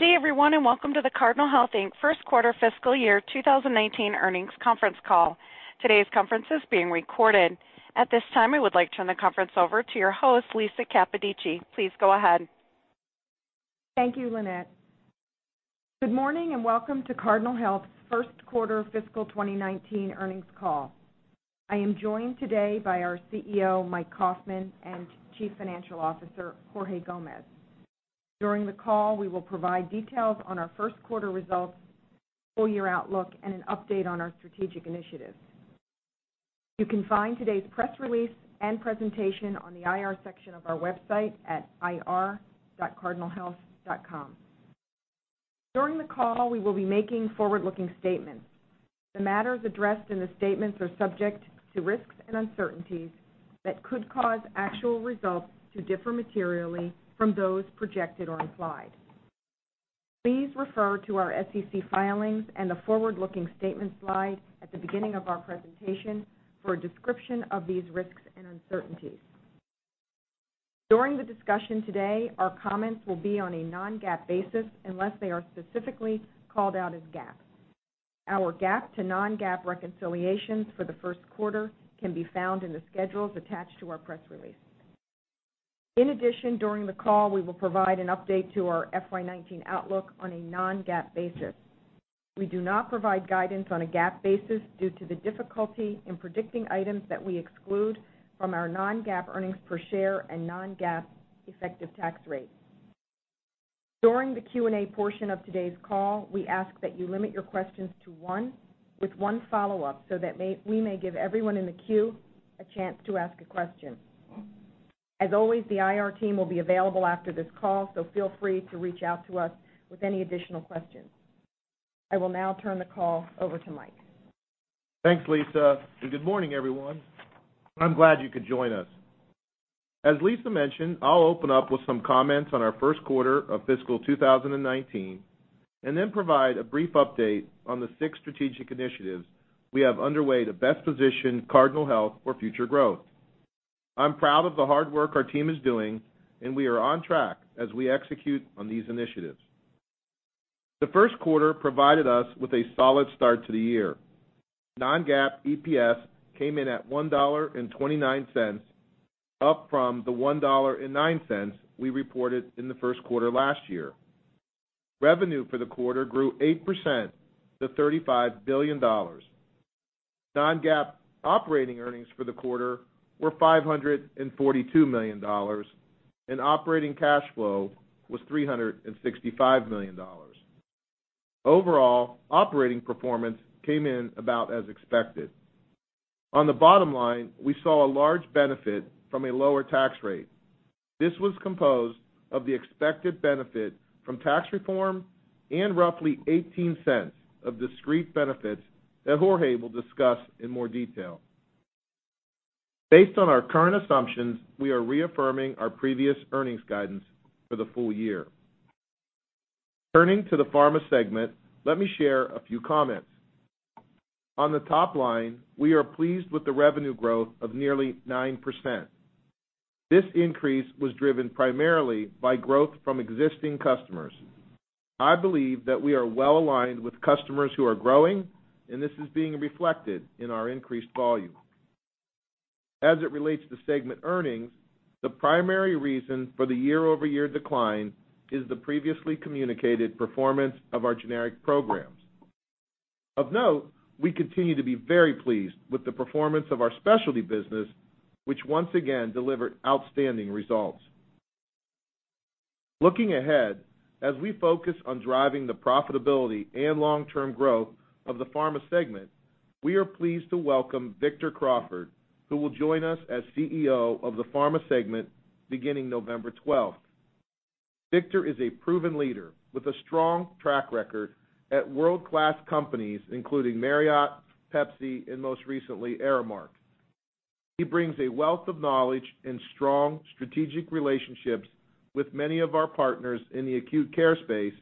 Good day everyone, welcome to the Cardinal Health, Inc. First Quarter Fiscal Year 2019 Earnings Conference Call. Today's conference is being recorded. At this time, I would like to turn the conference over to your host, Lisa Capodici. Please go ahead. Thank you, Lynette. Good morning and welcome to Cardinal Health's First Quarter Fiscal 2019 Earnings Call. I am joined today by our CEO, Mike Kaufmann, and Chief Financial Officer, Jorge Gomez. During the call, we will provide details on our first quarter results, full year outlook, and an update on our strategic initiatives. You can find today's press release and presentation on the IR section of our website at ir.cardinalhealth.com. During the call, we will be making forward-looking statements. The matters addressed in the statements are subject to risks and uncertainties that could cause actual results to differ materially from those projected or implied. Please refer to our SEC filings and the forward-looking statement slide at the beginning of our presentation for a description of these risks and uncertainties. During the discussion today, our comments will be on a non-GAAP basis unless they are specifically called out as GAAP. Our GAAP to non-GAAP reconciliations for the first quarter can be found in the schedules attached to our press release. In addition, during the call, we will provide an update to our FY 2019 outlook on a non-GAAP basis. We do not provide guidance on a GAAP basis due to the difficulty in predicting items that we exclude from our non-GAAP earnings per share and non-GAAP effective tax rate. During the Q&A portion of today's call, we ask that you limit your questions to one with one follow-up so that we may give everyone in the queue a chance to ask a question. As always, the IR team will be available after this call, so feel free to reach out to us with any additional questions. I will now turn the call over to Mike. Thanks, Lisa, good morning, everyone. I'm glad you could join us. As Lisa mentioned, I'll open up with some comments on our first quarter of fiscal 2019, then provide a brief update on the six strategic initiatives we have underway to best position Cardinal Health for future growth. I'm proud of the hard work our team is doing, we are on track as we execute on these initiatives. The first quarter provided us with a solid start to the year. Non-GAAP EPS came in at $1.29, up from the $1.09 we reported in the first quarter last year. Revenue for the quarter grew 8% to $35 billion. Non-GAAP operating earnings for the quarter were $542 million, operating cash flow was $365 million. Overall, operating performance came in about as expected. On the bottom line, we saw a large benefit from a lower tax rate. This was composed of the expected benefit from tax reform and roughly $0.18 of discrete benefits that Jorge will discuss in more detail. Based on our current assumptions, we are reaffirming our previous earnings guidance for the full year. Turning to the pharma segment, let me share a few comments. On the top line, we are pleased with the revenue growth of nearly 9%. This increase was driven primarily by growth from existing customers. I believe that we are well-aligned with customers who are growing, and this is being reflected in our increased volume. As it relates to segment earnings, the primary reason for the year-over-year decline is the previously communicated performance of our generic programs. Of note, we continue to be very pleased with the performance of our specialty business, which once again delivered outstanding results. Looking ahead, as we focus on driving the profitability and long-term growth of the pharma segment, we are pleased to welcome Victor Crawford, who will join us as CEO of the Pharma Segment beginning November 12th. Victor is a proven leader with a strong track record at world-class companies including Marriott, Pepsi, and most recently, Aramark. He brings a wealth of knowledge and strong strategic relationships with many of our partners in the acute care space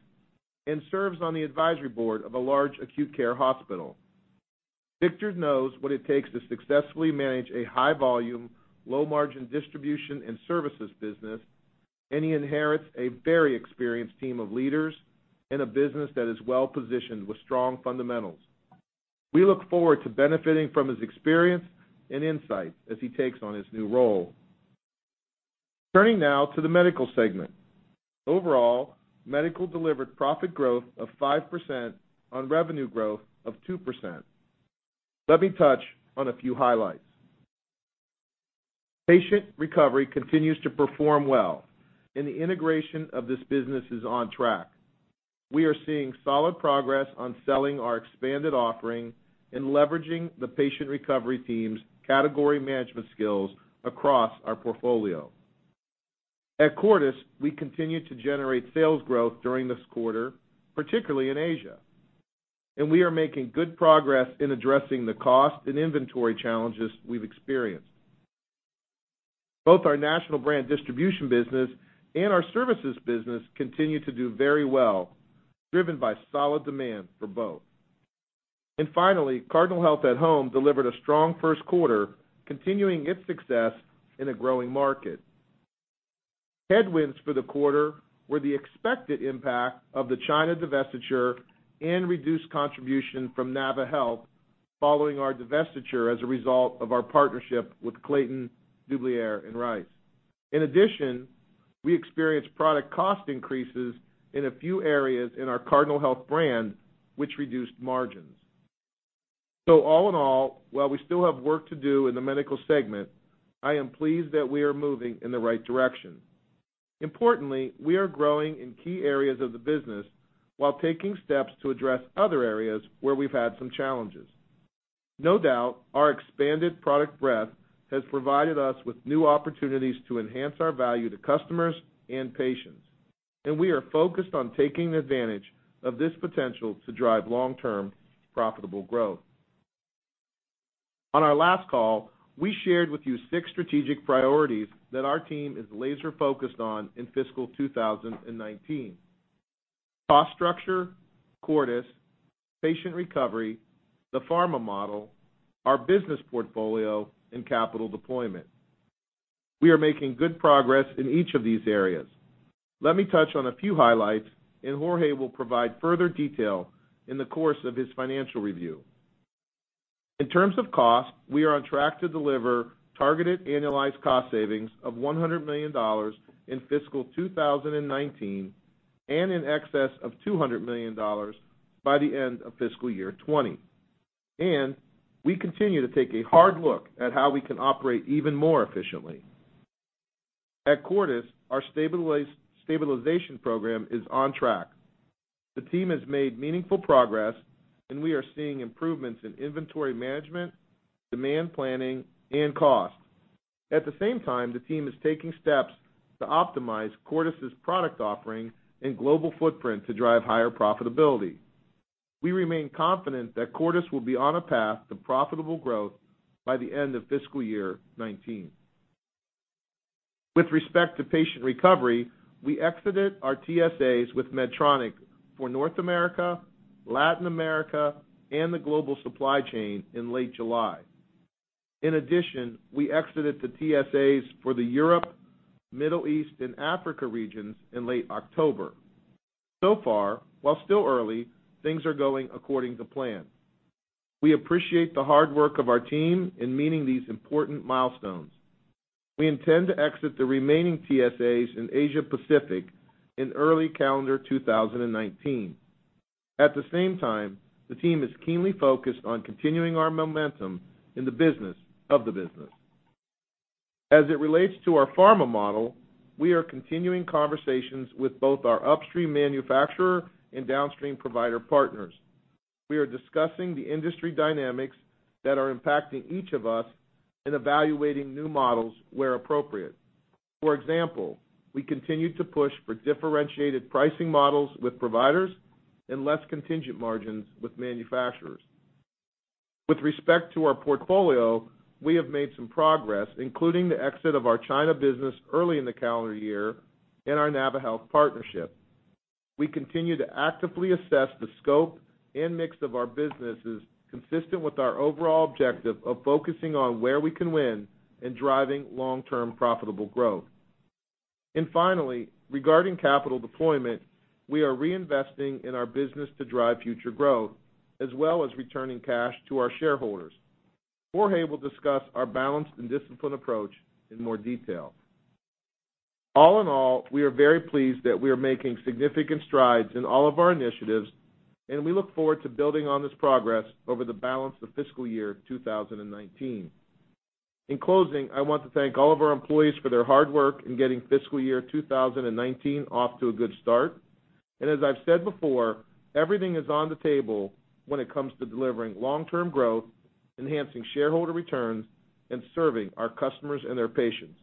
and serves on the advisory board of a large acute care hospital. Victor knows what it takes to successfully manage a high-volume, low-margin distribution and services business, and he inherits a very experienced team of leaders in a business that is well-positioned with strong fundamentals. We look forward to benefiting from his experience and insight as he takes on his new role. Turning now to the medical segment. Overall, medical delivered profit growth of 5% on revenue growth of 2%. Let me touch on a few highlights. Patient Recovery continues to perform well, and the integration of this business is on track. We are seeing solid progress on selling our expanded offering and leveraging the Patient Recovery team's category management skills across our portfolio. At Cordis, we continued to generate sales growth during this quarter, particularly in Asia. We are making good progress in addressing the cost and inventory challenges we've experienced. Both our national brand distribution business and our services business continue to do very well, driven by solid demand for both. Finally, Cardinal Health at-Home delivered a strong first quarter, continuing its success in a growing market. Headwinds for the quarter were the expected impact of the China divestiture and reduced contribution from naviHealth following our divestiture as a result of our partnership with Clayton, Dubilier & Rice. In addition, we experienced product cost increases in a few areas in our Cardinal Health brand, which reduced margins. All in all, while we still have work to do in the Medical segment, I am pleased that we are moving in the right direction. Importantly, we are growing in key areas of the business while taking steps to address other areas where we've had some challenges. No doubt, our expanded product breadth has provided us with new opportunities to enhance our value to customers and patients, and we are focused on taking advantage of this potential to drive long-term profitable growth. On our last call, we shared with you six strategic priorities that our team is laser-focused on in fiscal 2019: cost structure, Cordis, Patient Recovery, the pharma model, our business portfolio, and capital deployment. We are making good progress in each of these areas. Let me touch on a few highlights, and Jorge will provide further detail in the course of his financial review. In terms of cost, we are on track to deliver targeted annualized cost savings of $100 million in fiscal 2019 and in excess of $200 million by the end of fiscal year 2020. We continue to take a hard look at how we can operate even more efficiently. At Cordis, our stabilization program is on track. The team has made meaningful progress, and we are seeing improvements in inventory management, demand planning, and cost. At the same time, the team is taking steps to optimize Cordis' product offering and global footprint to drive higher profitability. We remain confident that Cordis will be on a path to profitable growth by the end of fiscal year 2019. With respect to Patient Recovery, we exited our TSAs with Medtronic for North America, Latin America, and the global supply chain in late July. In addition, we exited the TSAs for the Europe, Middle East, and Africa regions in late October. So far, while still early, things are going according to plan. We appreciate the hard work of our team in meeting these important milestones. We intend to exit the remaining TSAs in Asia Pacific in early calendar 2019. At the same time, the team is keenly focused on continuing our momentum in the business of the business. As it relates to our pharma model, we are continuing conversations with both our upstream manufacturer and downstream provider partners. We are discussing the industry dynamics that are impacting each of us in evaluating new models where appropriate. For example, we continue to push for differentiated pricing models with providers and less contingent margins with manufacturers. With respect to our portfolio, we have made some progress, including the exit of our China business early in the calendar year and our naviHealth partnership. We continue to actively assess the scope and mix of our businesses consistent with our overall objective of focusing on where we can win and driving long-term profitable growth. Finally, regarding capital deployment, we are reinvesting in our business to drive future growth, as well as returning cash to our shareholders. Jorge will discuss our balanced and disciplined approach in more detail. All in all, we are very pleased that we are making significant strides in all of our initiatives, and we look forward to building on this progress over the balance of fiscal year 2019. In closing, I want to thank all of our employees for their hard work in getting fiscal year 2019 off to a good start. As I've said before, everything is on the table when it comes to delivering long-term growth, enhancing shareholder returns, and serving our customers and their patients.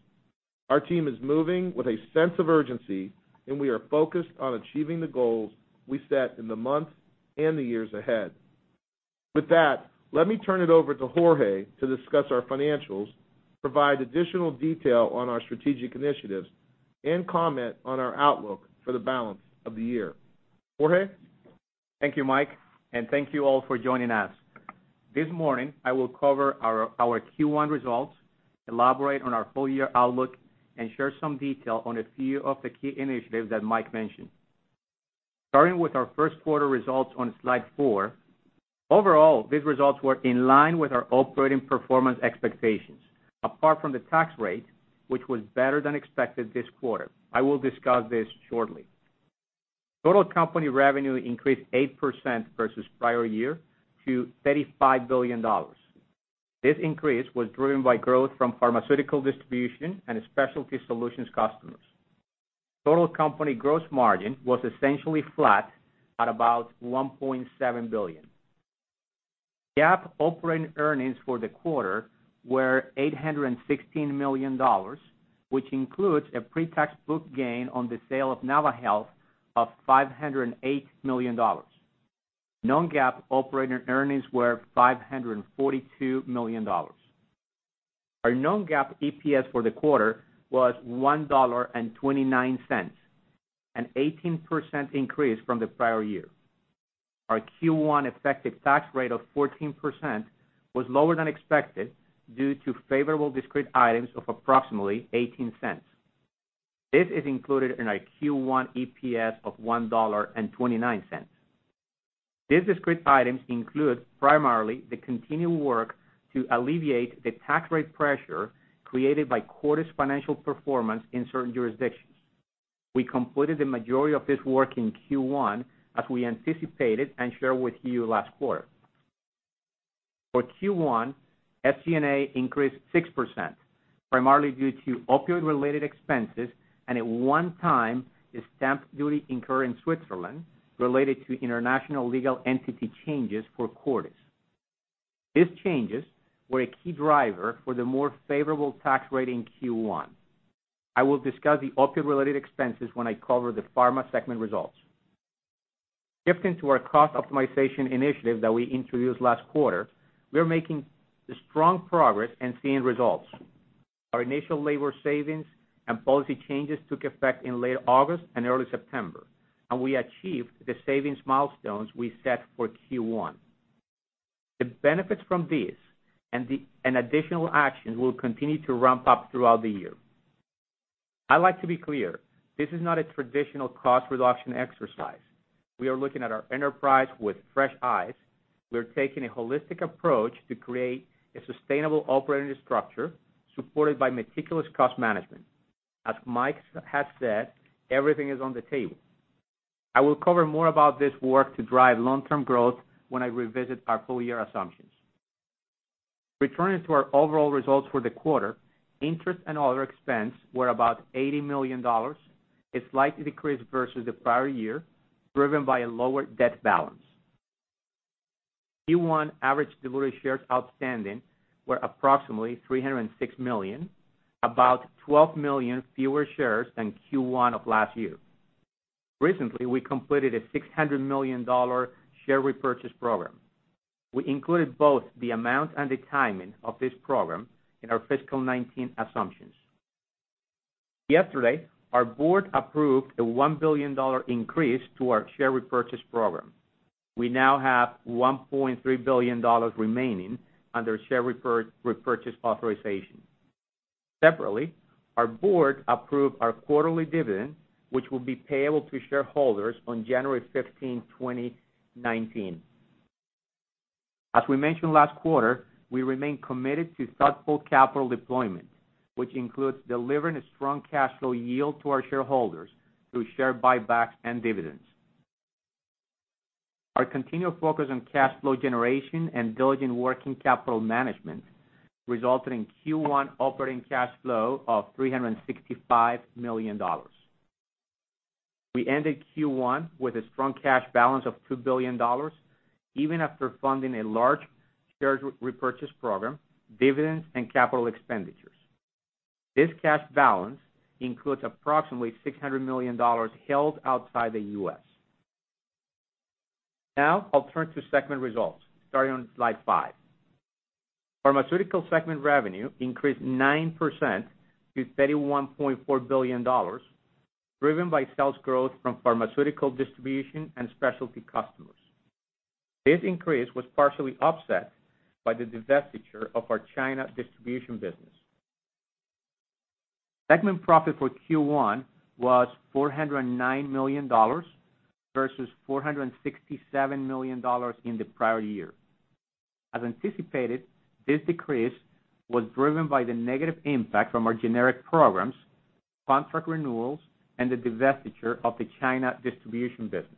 Our team is moving with a sense of urgency, and we are focused on achieving the goals we set in the months and the years ahead. With that, let me turn it over to Jorge to discuss our financials, provide additional detail on our strategic initiatives, and comment on our outlook for the balance of the year. Jorge? Thank you, Mike, and thank you all for joining us. This morning, I will cover our Q1 results, elaborate on our full-year outlook, and share some detail on a few of the key initiatives that Mike mentioned. Starting with our first quarter results on slide four, overall, these results were in line with our operating performance expectations, apart from the tax rate, which was better than expected this quarter. I will discuss this shortly. Total company revenue increased 8% versus prior year to $35 billion. This increase was driven by growth from Pharmaceutical distribution and Specialty Solutions customers. Total company gross margin was essentially flat at about $1.7 billion. GAAP operating earnings for the quarter were $816 million, which includes a pre-tax book gain on the sale of naviHealth of $508 million. Non-GAAP operating earnings were $542 million. Our non-GAAP EPS for the quarter was $1.29, an 18% increase from the prior year. Our Q1 effective tax rate of 14% was lower than expected due to favorable discrete items of approximately $0.18. This is included in our Q1 EPS of $1.29. These discrete items include primarily the continued work to alleviate the tax rate pressure created by Cordis financial performance in certain jurisdictions. We completed the majority of this work in Q1, as we anticipated and shared with you last quarter. For Q1, SG&A increased 6%, primarily due to opioid-related expenses and a one-time stamp duty incurred in Switzerland related to international legal entity changes for Cordis. These changes were a key driver for the more favorable tax rate in Q1. I will discuss the opioid-related expenses when I cover the pharma segment results. Shifting to our cost optimization initiative that we introduced last quarter, we are making strong progress and seeing results. Our initial labor savings and policy changes took effect in late August and early September, and we achieved the savings milestones we set for Q1. The benefits from this and additional actions will continue to ramp up throughout the year. I'd like to be clear, this is not a traditional cost reduction exercise. We are looking at our enterprise with fresh eyes. We are taking a holistic approach to create a sustainable operating structure supported by meticulous cost management. As Mike has said, "Everything is on the table." I will cover more about this work to drive long-term growth when I revisit our full-year assumptions. Returning to our overall results for the quarter, interest and other expense were about $80 million, a slight decrease versus the prior year, driven by a lower debt balance. Q1 average diluted shares outstanding were approximately 306 million, about 12 million fewer shares than Q1 of last year. Recently, we completed a $600 million share repurchase program. We included both the amount and the timing of this program in our fiscal 2019 assumptions. Yesterday, our board approved a $1 billion increase to our share repurchase program. We now have $1.3 billion remaining under share repurchase authorization. Separately, our board approved our quarterly dividend, which will be payable to shareholders on January 15, 2019. As we mentioned last quarter, we remain committed to thoughtful capital deployment, which includes delivering a strong cash flow yield to our shareholders through share buybacks and dividends. Our continued focus on cash flow generation and diligent working capital management resulted in Q1 operating cash flow of $365 million. We ended Q1 with a strong cash balance of $2 billion, even after funding a large share repurchase program, dividends, and capital expenditures. This cash balance includes approximately $600 million held outside the U.S. I'll turn to Segment results, starting on slide five. Pharmaceutical Segment revenue increased 9% to $31.4 billion, driven by sales growth from Pharmaceutical distribution and Specialty customers. This increase was partially offset by the divestiture of our China distribution business. Segment profit for Q1 was $409 million versus $467 million in the prior year. As anticipated, this decrease was driven by the negative impact from our generic programs, contract renewals, and the divestiture of the China distribution business.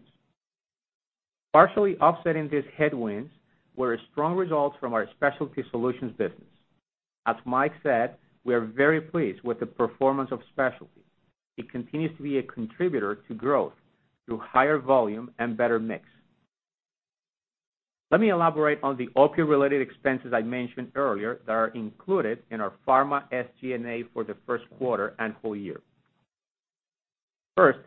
Partially offsetting these headwinds were strong results from our Specialty Solutions business. As Mike said, we are very pleased with the performance of Specialty. It continues to be a contributor to growth through higher volume and better mix. Let me elaborate on the opioid-related expenses I mentioned earlier that are included in our pharma SG&A for the first quarter and full year. First,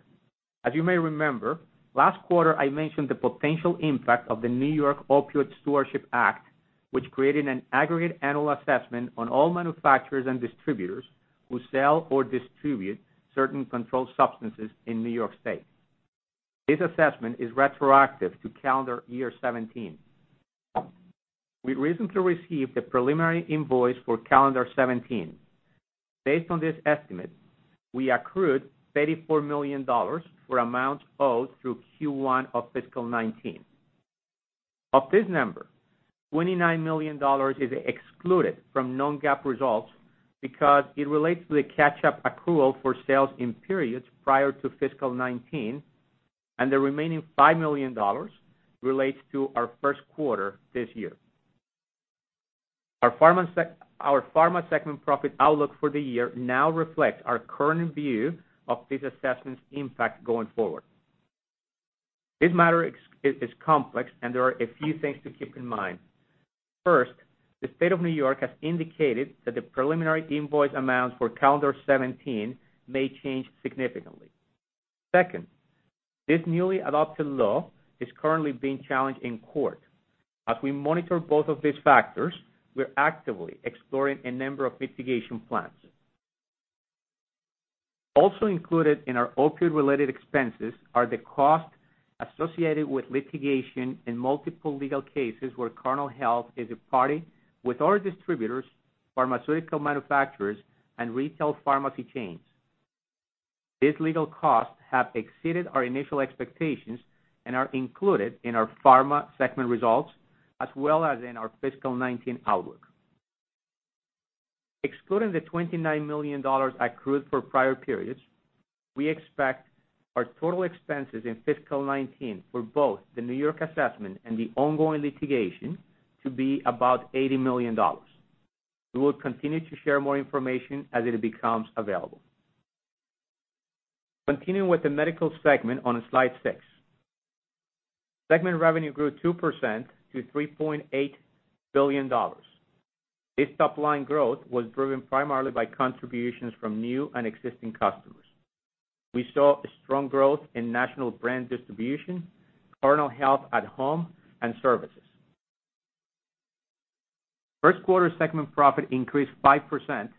as you may remember, last quarter I mentioned the potential impact of the New York Opioid Stewardship Act, which created an aggregate annual assessment on all manufacturers and distributors who sell or distribute certain controlled substances in New York State. This assessment is retroactive to calendar year 2017. We recently received the preliminary invoice for calendar 2017. Based on this estimate, we accrued $34 million for amounts owed through Q1 of fiscal 2019. Of this number, $29 million is excluded from non-GAAP results because it relates to the catch-up accrual for sales in periods prior to fiscal 2019, and the remaining $5 million relates to our first quarter this year. Our pharma segment profit outlook for the year now reflects our current view of this assessment's impact going forward. This matter is complex, and there are a few things to keep in mind. First, the State of New York has indicated that the preliminary invoice amounts for calendar 2017 may change significantly. Second, this newly adopted law is currently being challenged in court. As we monitor both of these factors, we're actively exploring a number of mitigation plans. Also included in our opioid-related expenses are the cost associated with litigation in multiple legal cases where Cardinal Health is a party with our distributors, pharmaceutical manufacturers, and retail pharmacy chains. These legal costs have exceeded our initial expectations and are included in our pharma segment results, as well as in our fiscal 2019 outlook. Excluding the $29 million accrued for prior periods, we expect our total expenses in fiscal 2019 for both the New York assessment and the ongoing litigation to be about $80 million. We will continue to share more information as it becomes available. Continuing with the Medical Segment on slide six. Segment revenue grew 2% to $3.8 billion. This top-line growth was driven primarily by contributions from new and existing customers. We saw strong growth in national brand distribution, Cardinal Health at-Home, and services. First quarter segment profit increased 5%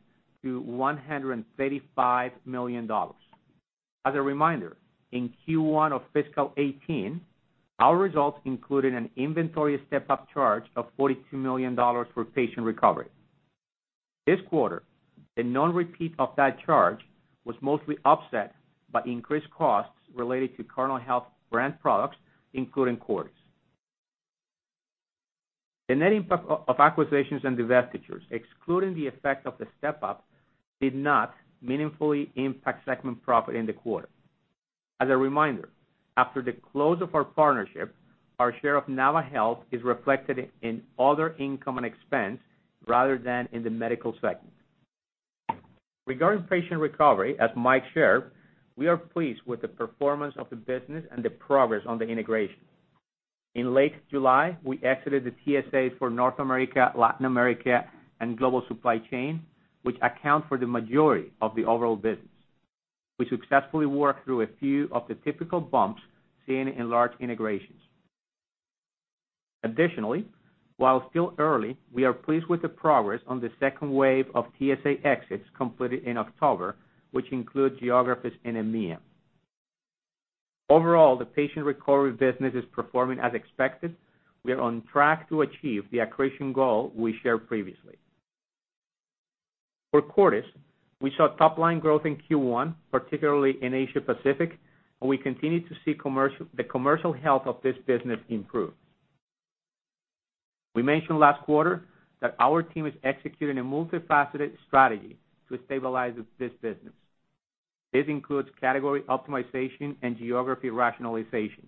to $135 million. As a reminder, in Q1 of fiscal 2018, our results included an inventory step-up charge of $42 million for Patient Recovery. This quarter, the non-repeat of that charge was mostly offset by increased costs related to Cardinal Health brand products, including Cordis. The net impact of acquisitions and divestitures, excluding the effect of the step-up, did not meaningfully impact segment profit in the quarter. As a reminder, after the close of our partnership, our share of naviHealth is reflected in other income and expense rather than in the medical segment. Regarding Patient Recovery, as Mike shared, we are pleased with the performance of the business and the progress on the integration. In late July, we exited the TSA for North America, Latin America, and global supply chain, which account for the majority of the overall business. We successfully worked through a few of the typical bumps seen in large integrations. Additionally, while still early, we are pleased with the progress on the second wave of TSA exits completed in October, which include geographies in EMEA. Overall, the Patient Recovery business is performing as expected. We are on track to achieve the accretion goal we shared previously. For Cordis, we saw top-line growth in Q1, particularly in Asia Pacific, and we continue to see the commercial health of this business improve. We mentioned last quarter that our team is executing a multifaceted strategy to stabilize this business. This includes category optimization and geography rationalization.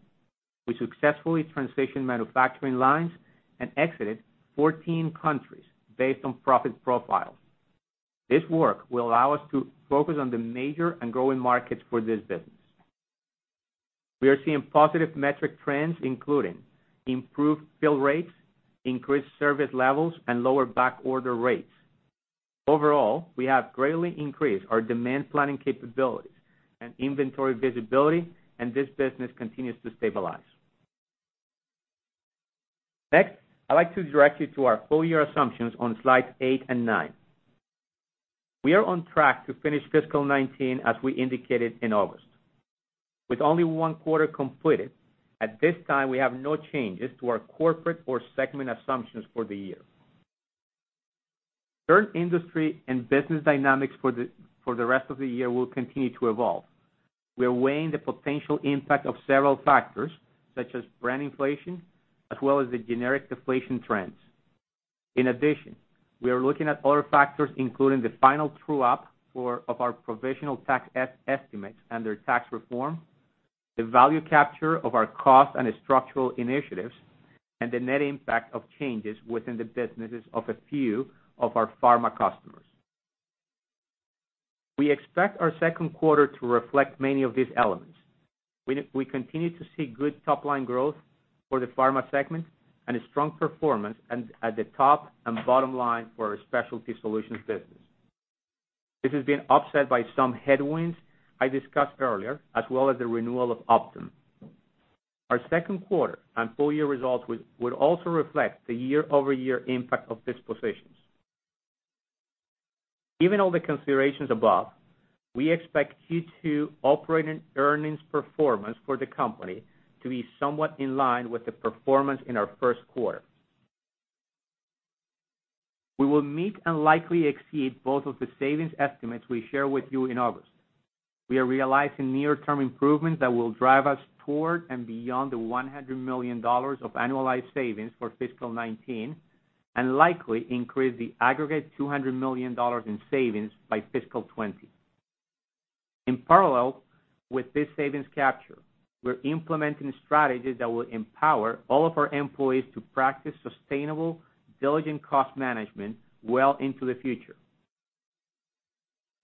We successfully transitioned manufacturing lines and exited 14 countries based on profit profiles. This work will allow us to focus on the major and growing markets for this business. We are seeing positive metric trends, including improved fill rates, increased service levels, and lower backorder rates. Overall, we have greatly increased our demand planning capabilities and inventory visibility. This business continues to stabilize. Next, I'd like to direct you to our full-year assumptions on slides eight and nine. We are on track to finish fiscal 2019 as we indicated in August. With only one quarter completed, at this time, we have no changes to our corporate or segment assumptions for the year. Current industry and business dynamics for the rest of the year will continue to evolve. We are weighing the potential impact of several factors, such as brand inflation, as well as the generic deflation trends. In addition, we are looking at other factors, including the final true-up of our provisional tax estimates under tax reform, the value capture of our cost and structural initiatives, and the net impact of changes within the businesses of a few of our pharma customers. We expect our second quarter to reflect many of these elements. We continue to see good top-line growth for the pharma segment and a strong performance at the top and bottom line for our Specialty Solutions business. This has been offset by some headwinds I discussed earlier, as well as the renewal of Optum. Our second quarter and full-year results would also reflect the year-over-year impact of dispositions. Given all the considerations above, we expect Q2 operating earnings performance for the company to be somewhat in line with the performance in our first quarter. We will meet and likely exceed both of the savings estimates we shared with you in August. We are realizing near-term improvements that will drive us toward and beyond the $100 million of annualized savings for fiscal 2019, and likely increase the aggregate $200 million in savings by fiscal 2020. In parallel with this savings capture, we're implementing strategies that will empower all of our employees to practice sustainable, diligent cost management well into the future.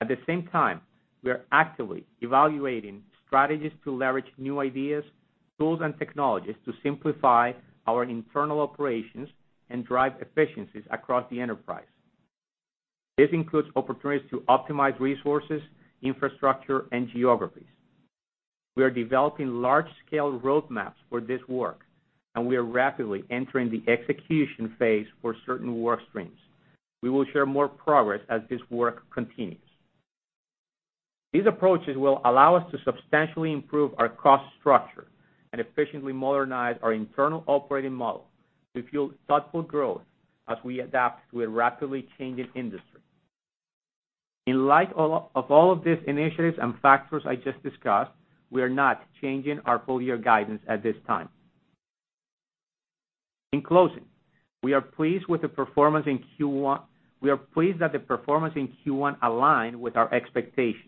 At the same time, we are actively evaluating strategies to leverage new ideas, tools, and technologies to simplify our internal operations and drive efficiencies across the enterprise. This includes opportunities to optimize resources, infrastructure, and geographies. We are developing large-scale roadmaps for this work, and we are rapidly entering the execution phase for certain work streams. We will share more progress as this work continues. These approaches will allow us to substantially improve our cost structure and efficiently modernize our internal operating model to fuel thoughtful growth as we adapt to a rapidly changing industry. In light of all of these initiatives and factors I just discussed, we are not changing our full-year guidance at this time. In closing, we are pleased that the performance in Q1 aligned with our expectations.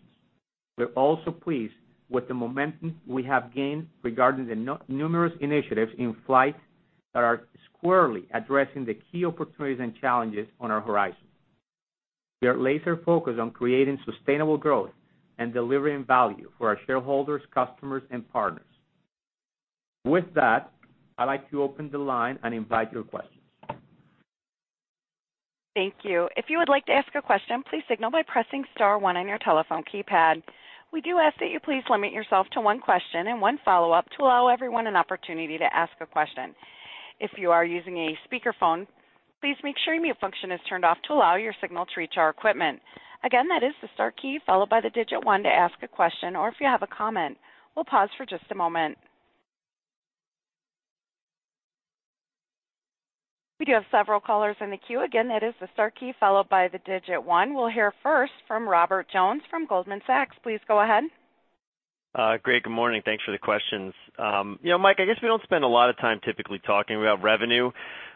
We're also pleased with the momentum we have gained regarding the numerous initiatives in flight that are squarely addressing the key opportunities and challenges on our horizon. We are laser-focused on creating sustainable growth and delivering value for our shareholders, customers, and partners. With that, I'd like to open the line and invite your questions. Thank you. If you would like to ask a question, please signal by pressing star one on your telephone keypad. We do ask that you please limit yourself to one question and one follow-up to allow everyone an opportunity to ask a question. If you are using a speakerphone, please make sure your mute function is turned off to allow your signal to reach our equipment. Again, that is the star key followed by the digit one to ask a question or if you have a comment. We'll pause for just a moment. We do have several callers in the queue. Again, that is the star key followed by the digit one. We'll hear first from Robert Jones from Goldman Sachs. Please go ahead. Great. Good morning. Thanks for the questions. Mike, I guess we don't spend a lot of time typically talking about revenue,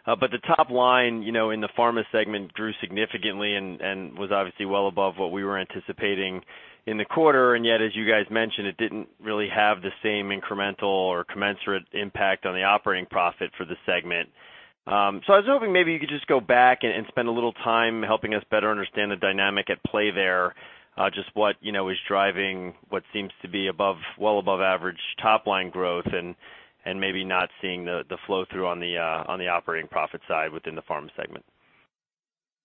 but the top line in the Pharmaceutical Segment grew significantly and was obviously well above what we were anticipating in the quarter. Yet, as you guys mentioned, it didn't really have the same incremental or commensurate impact on the operating profit for the segment. I was hoping maybe you could just go back and spend a little time helping us better understand the dynamic at play there, just what is driving what seems to be well above average top-line growth and maybe not seeing the flow-through on the operating profit side within the Pharmaceutical Segment.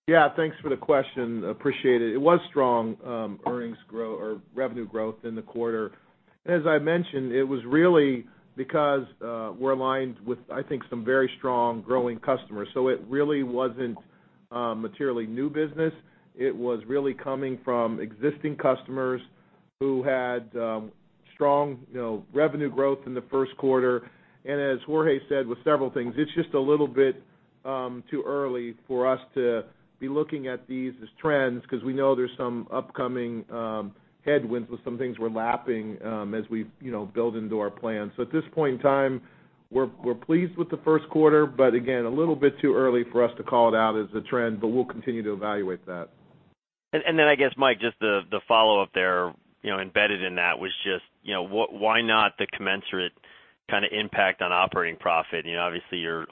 Yeah. Thanks for the question. Appreciate it. It was strong revenue growth in the quarter. As I mentioned, it was really because we're aligned with, I think, some very strong growing customers. It really wasn't materially new business. It was really coming from existing customers who had strong revenue growth in the first quarter. As Jorge said with several things, it's just a little bit too early for us to be looking at these as trends because we know there's some upcoming headwinds with some things we're lapping as we build into our plan. At this point in time, we're pleased with the first quarter, but again, a little bit too early for us to call it out as a trend, but we'll continue to evaluate that. I guess, Mike, just the follow-up there, embedded in that was just why not the commensurate impact on operating profit? Obviously, you're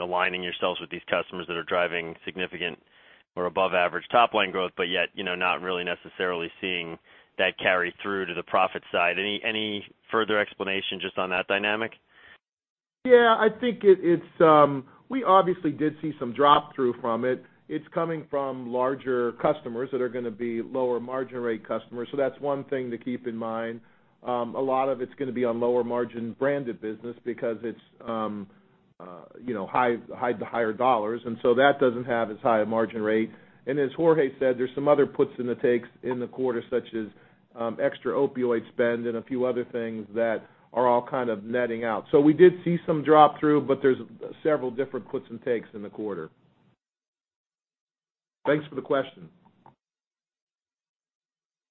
aligning yourselves with these customers that are driving significant or above-average top-line growth, but yet not really necessarily seeing that carry through to the profit side. Any further explanation just on that dynamic? Yeah, I think we obviously did see some drop through from it. It's coming from larger customers that are going to be lower margin rate customers. That's one thing to keep in mind. A lot of it's going to be on lower margin branded business because it's higher dollars, that doesn't have as high a margin rate. As Jorge said, there's some other puts and the takes in the quarter, such as extra opioid spend and a few other things that are all netting out. We did see some drop through, but there's several different puts and takes in the quarter. Thanks for the question.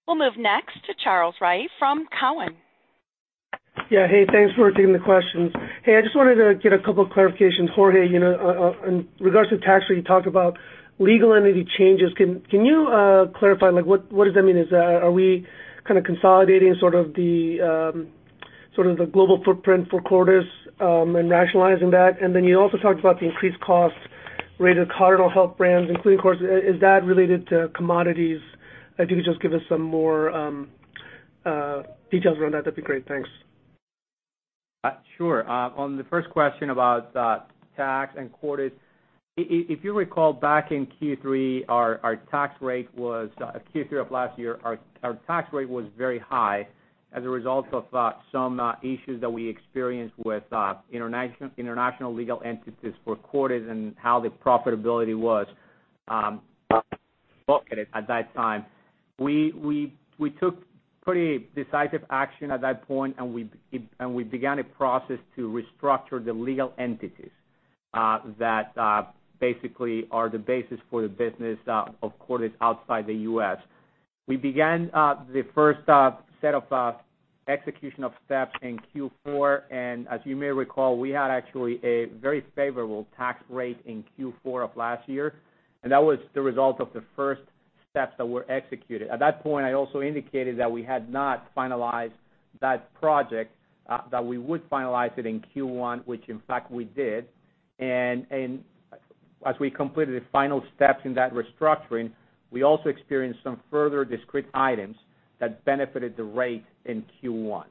We'll move next to Charles Rhyee from Cowen. Yeah. Hey, thanks for taking the questions. Hey, I just wanted to get a couple clarifications, Jorge. In regards to tax rate, you talked about legal entity changes. Can you clarify what does that mean? Are we consolidating the global footprint for Cordis and rationalizing that? You also talked about the increased cost rate of Cardinal Health brands, including Cordis. Is that related to commodities? If you could just give us some more details around that'd be great. Thanks. Sure. On the first question about tax and Cordis, if you recall back in Q3 of last year, our tax rate was very high as a result of some issues that we experienced with international legal entities for Cordis and how the profitability was at that time. We took pretty decisive action at that point, and we began a process to restructure the legal entities that basically are the basis for the business of Cordis outside the U.S. We began the first set of execution of steps in Q4, as you may recall, we had actually a very favorable tax rate in Q4 of last year, and that was the result of the first steps that were executed. At that point, I also indicated that we had not finalized that project, that we would finalize it in Q1, which in fact we did. As we completed the final steps in that restructuring, we also experienced some further discrete items that benefited the rate in Q1.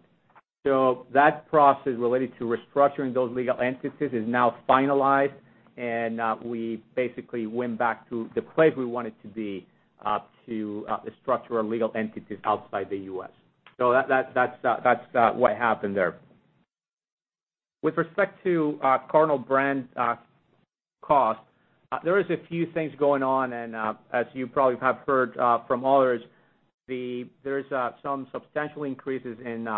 That process related to restructuring those legal entities is now finalized, and we basically went back to the place we wanted to be to structure our legal entities outside the U.S. That's what happened there. With respect to Cardinal brand cost, there is a few things going on, and, as you probably have heard from others, there's some substantial increases in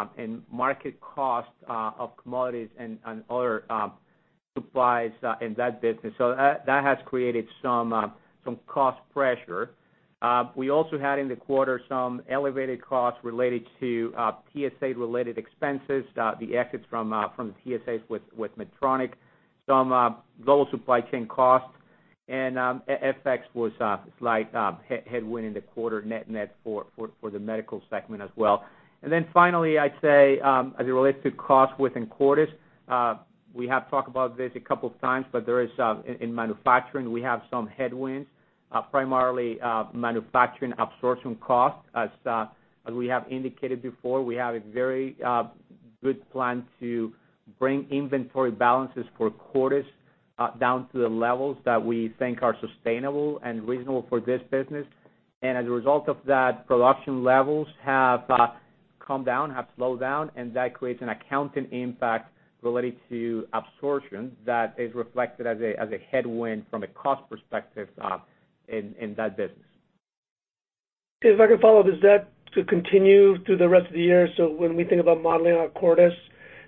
market cost of commodities and other supplies in that business. That has created some cost pressure. We also had in the quarter some elevated costs related to TSA-related expenses, the exits from TSAs with Medtronic, some global supply chain costs, and FX was a slight headwind in the quarter net for the medical segment as well. Finally, I'd say, as it relates to cost within Cordis, we have talked about this a couple of times, but there is in manufacturing, we have some headwinds, primarily manufacturing absorption costs. As we have indicated before, we have a very good plan to bring inventory balances for Cordis down to the levels that we think are sustainable and reasonable for this business. As a result of that, production levels have come down, have slowed down, and that creates an accounting impact related to absorption that is reflected as a headwind from a cost perspective in that business. If I can follow this, does that continue through the rest of the year? When we think about modeling on Cordis,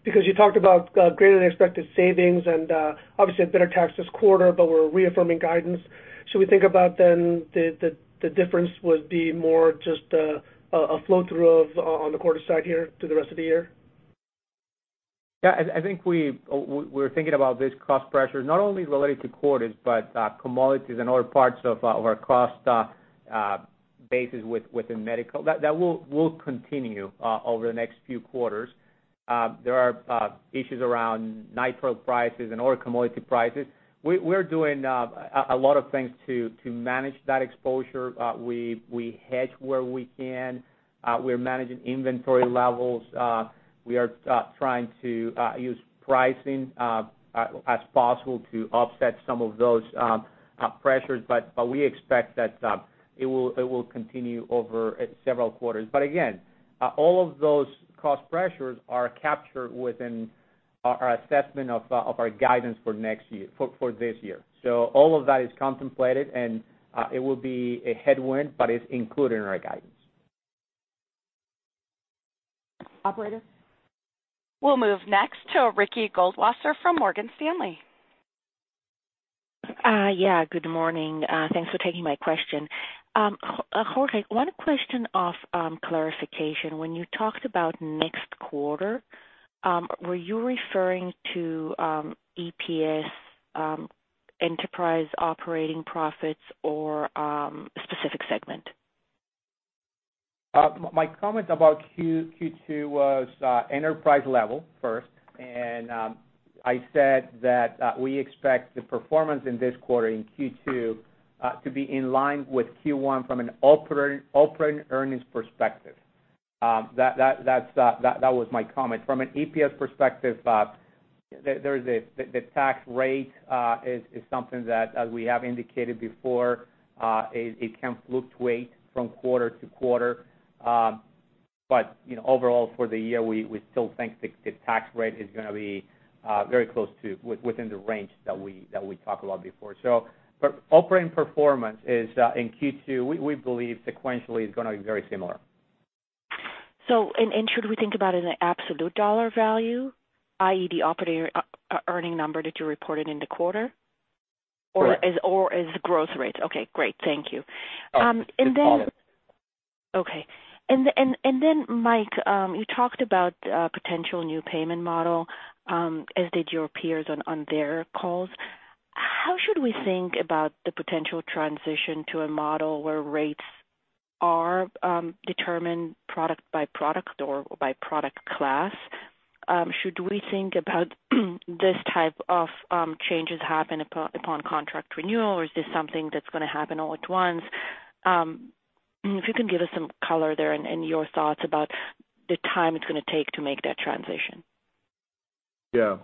because you talked about greater-than-expected savings and obviously a better tax this quarter, but we're reaffirming guidance. Should we think about then the difference would be more just a flow-through on the Cordis side here through the rest of the year? Yeah, I think we're thinking about this cost pressure not only related to Cordis, but commodities and other parts of our cost bases within medical. That will continue over the next few quarters. There are issues around nitrile prices and other commodity prices. We're doing a lot of things to manage that exposure. We hedge where we can. We're managing inventory levels. We are trying to use pricing as possible to offset some of those pressures, but we expect that it will continue over several quarters. Again, all of those cost pressures are captured within our assessment of our guidance for this year. All of that is contemplated, and it will be a headwind, but it's included in our guidance. Operator? We'll move next to Ricky Goldwasser from Morgan Stanley. Yeah, good morning. Thanks for taking my question. Jorge, one question of clarification. When you talked about next quarter, were you referring to EPS, enterprise operating profits or a specific segment? My comment about Q2 was enterprise level, first, I said that we expect the performance in this quarter, in Q2, to be in line with Q1 from an operating earnings perspective. That was my comment. From an EPS perspective, the tax rate is something that, as we have indicated before, it can fluctuate from quarter to quarter. Overall for the year, we still think the tax rate is going to be very close to within the range that we talked about before. For operating performance is, in Q2, we believe sequentially, is going to be very similar. Should we think about it in an absolute dollar value, i.e., the operating earnings number that you reported in the quarter? Correct. As growth rates? Okay, great. Thank you. It's all of it. Okay. Mike, you talked about potential new payment model, as did your peers on their calls. How should we think about the potential transition to a model where rates are determined product by product or by product class? Should we think about this type of changes happen upon contract renewal, or is this something that's going to happen all at once? If you can give us some color there and your thoughts about the time it's going to take to make that transition? Yeah.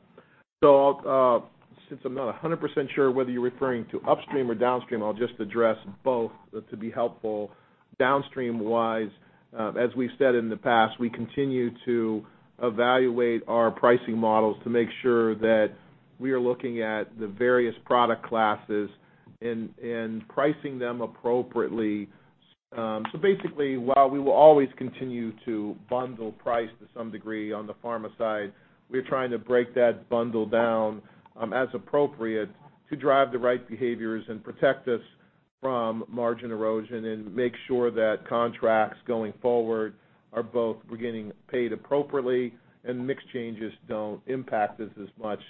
Since I'm not 100% sure whether you're referring to upstream or downstream, I'll just address both to be helpful. Downstream-wise, as we've said in the past, we continue to evaluate our pricing models to make sure that we are looking at the various product classes and pricing them appropriately. Basically, while we will always continue to bundle price to some degree on the pharma side, we're trying to break that bundle down as appropriate to drive the right behaviors and protect us from margin erosion and make sure that contracts going forward are both, we're getting paid appropriately and mix changes don't impact us as much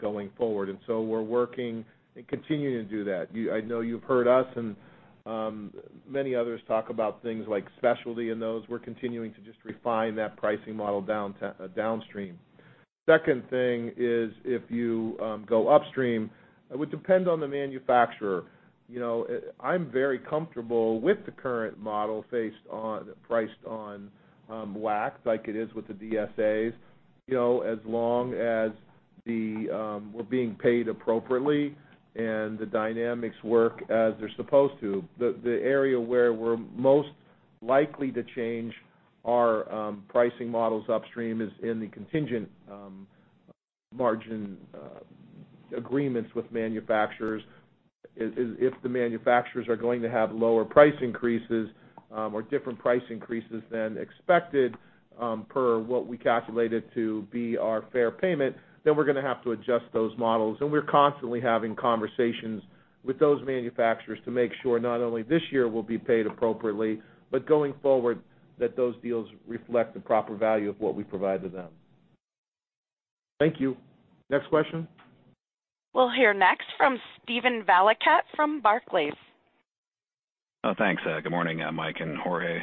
going forward. We're working and continuing to do that. I know you've heard us and many others talk about things like specialty and those. We're continuing to just refine that pricing model downstream. Second thing is if you go upstream, it would depend on the manufacturer. I'm very comfortable with the current model priced on WAC like it is with the DSAs, as long as we're being paid appropriately and the dynamics work as they're supposed to. The area where we're most likely to change our pricing models upstream is in the contingent margin agreements with manufacturers. If the manufacturers are going to have lower price increases or different price increases than expected per what we calculated to be our fair payment, then we're going to have to adjust those models. We're constantly having conversations with those manufacturers to make sure not only this year we'll be paid appropriately, but going forward, that those deals reflect the proper value of what we provide to them. Thank you. Next question. We'll hear next from Steven Valiquette from Barclays. Thanks. Good morning, Mike and Jorge.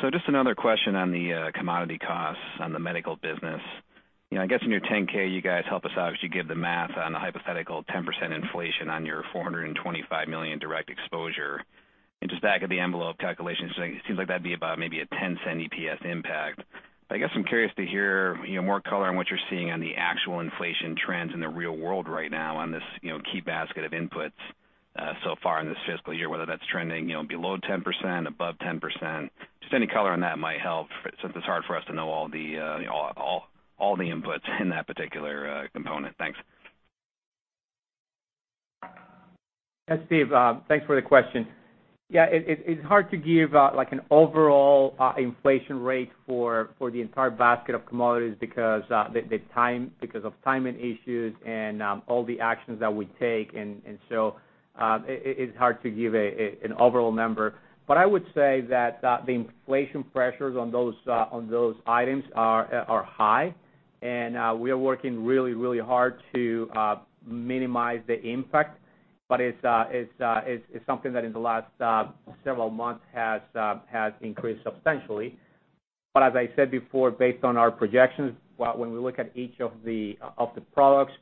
Just another question on the commodity costs on the medical business. I guess in your 10-K, you guys help us out as you give the math on the hypothetical 10% inflation on your $425 million direct exposure. Just back-of-the-envelope calculations, it seems like that'd be about maybe a $0.10 EPS impact. I guess I'm curious to hear more color on what you're seeing on the actual inflation trends in the real world right now on this key basket of inputs so far in this fiscal year, whether that's trending below 10%, above 10%. Just any color on that might help, since it's hard for us to know all the inputs in that particular component. Thanks. Yes, Steve, thanks for the question. It's hard to give an overall inflation rate for the entire basket of commodities because of timing issues and all the actions that we take, it's hard to give an overall number. I would say that the inflation pressures on those items are high, we are working really hard to minimize the impact. It's something that in the last several months has increased substantially. As I said before, based on our projections, when we look at each of the products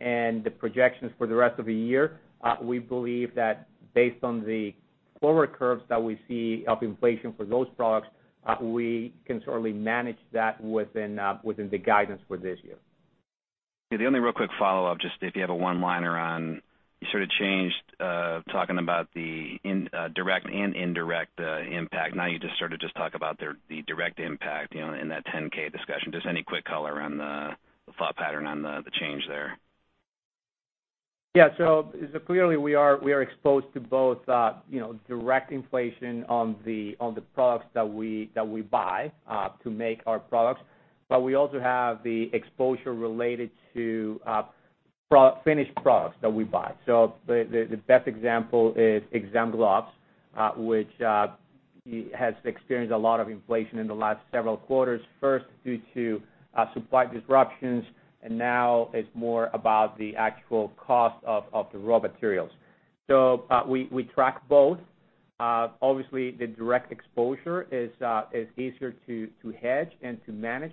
and the projections for the rest of the year, we believe that based on the forward curves that we see of inflation for those products, we can certainly manage that within the guidance for this year. The only real quick follow-up, just if you have a one-liner on, you sort of changed talking about the direct and indirect impact. Now you just sort of talk about the direct impact in that 10-K discussion. Just any quick color on the thought pattern on the change there? Clearly we are exposed to both direct inflation on the products that we buy to make our products, we also have the exposure related to finished products that we buy. The best example is exam gloves, which has experienced a lot of inflation in the last several quarters, first due to supply disruptions, now it's more about the actual cost of the raw materials. We track both. Obviously, the direct exposure is easier to hedge and to manage.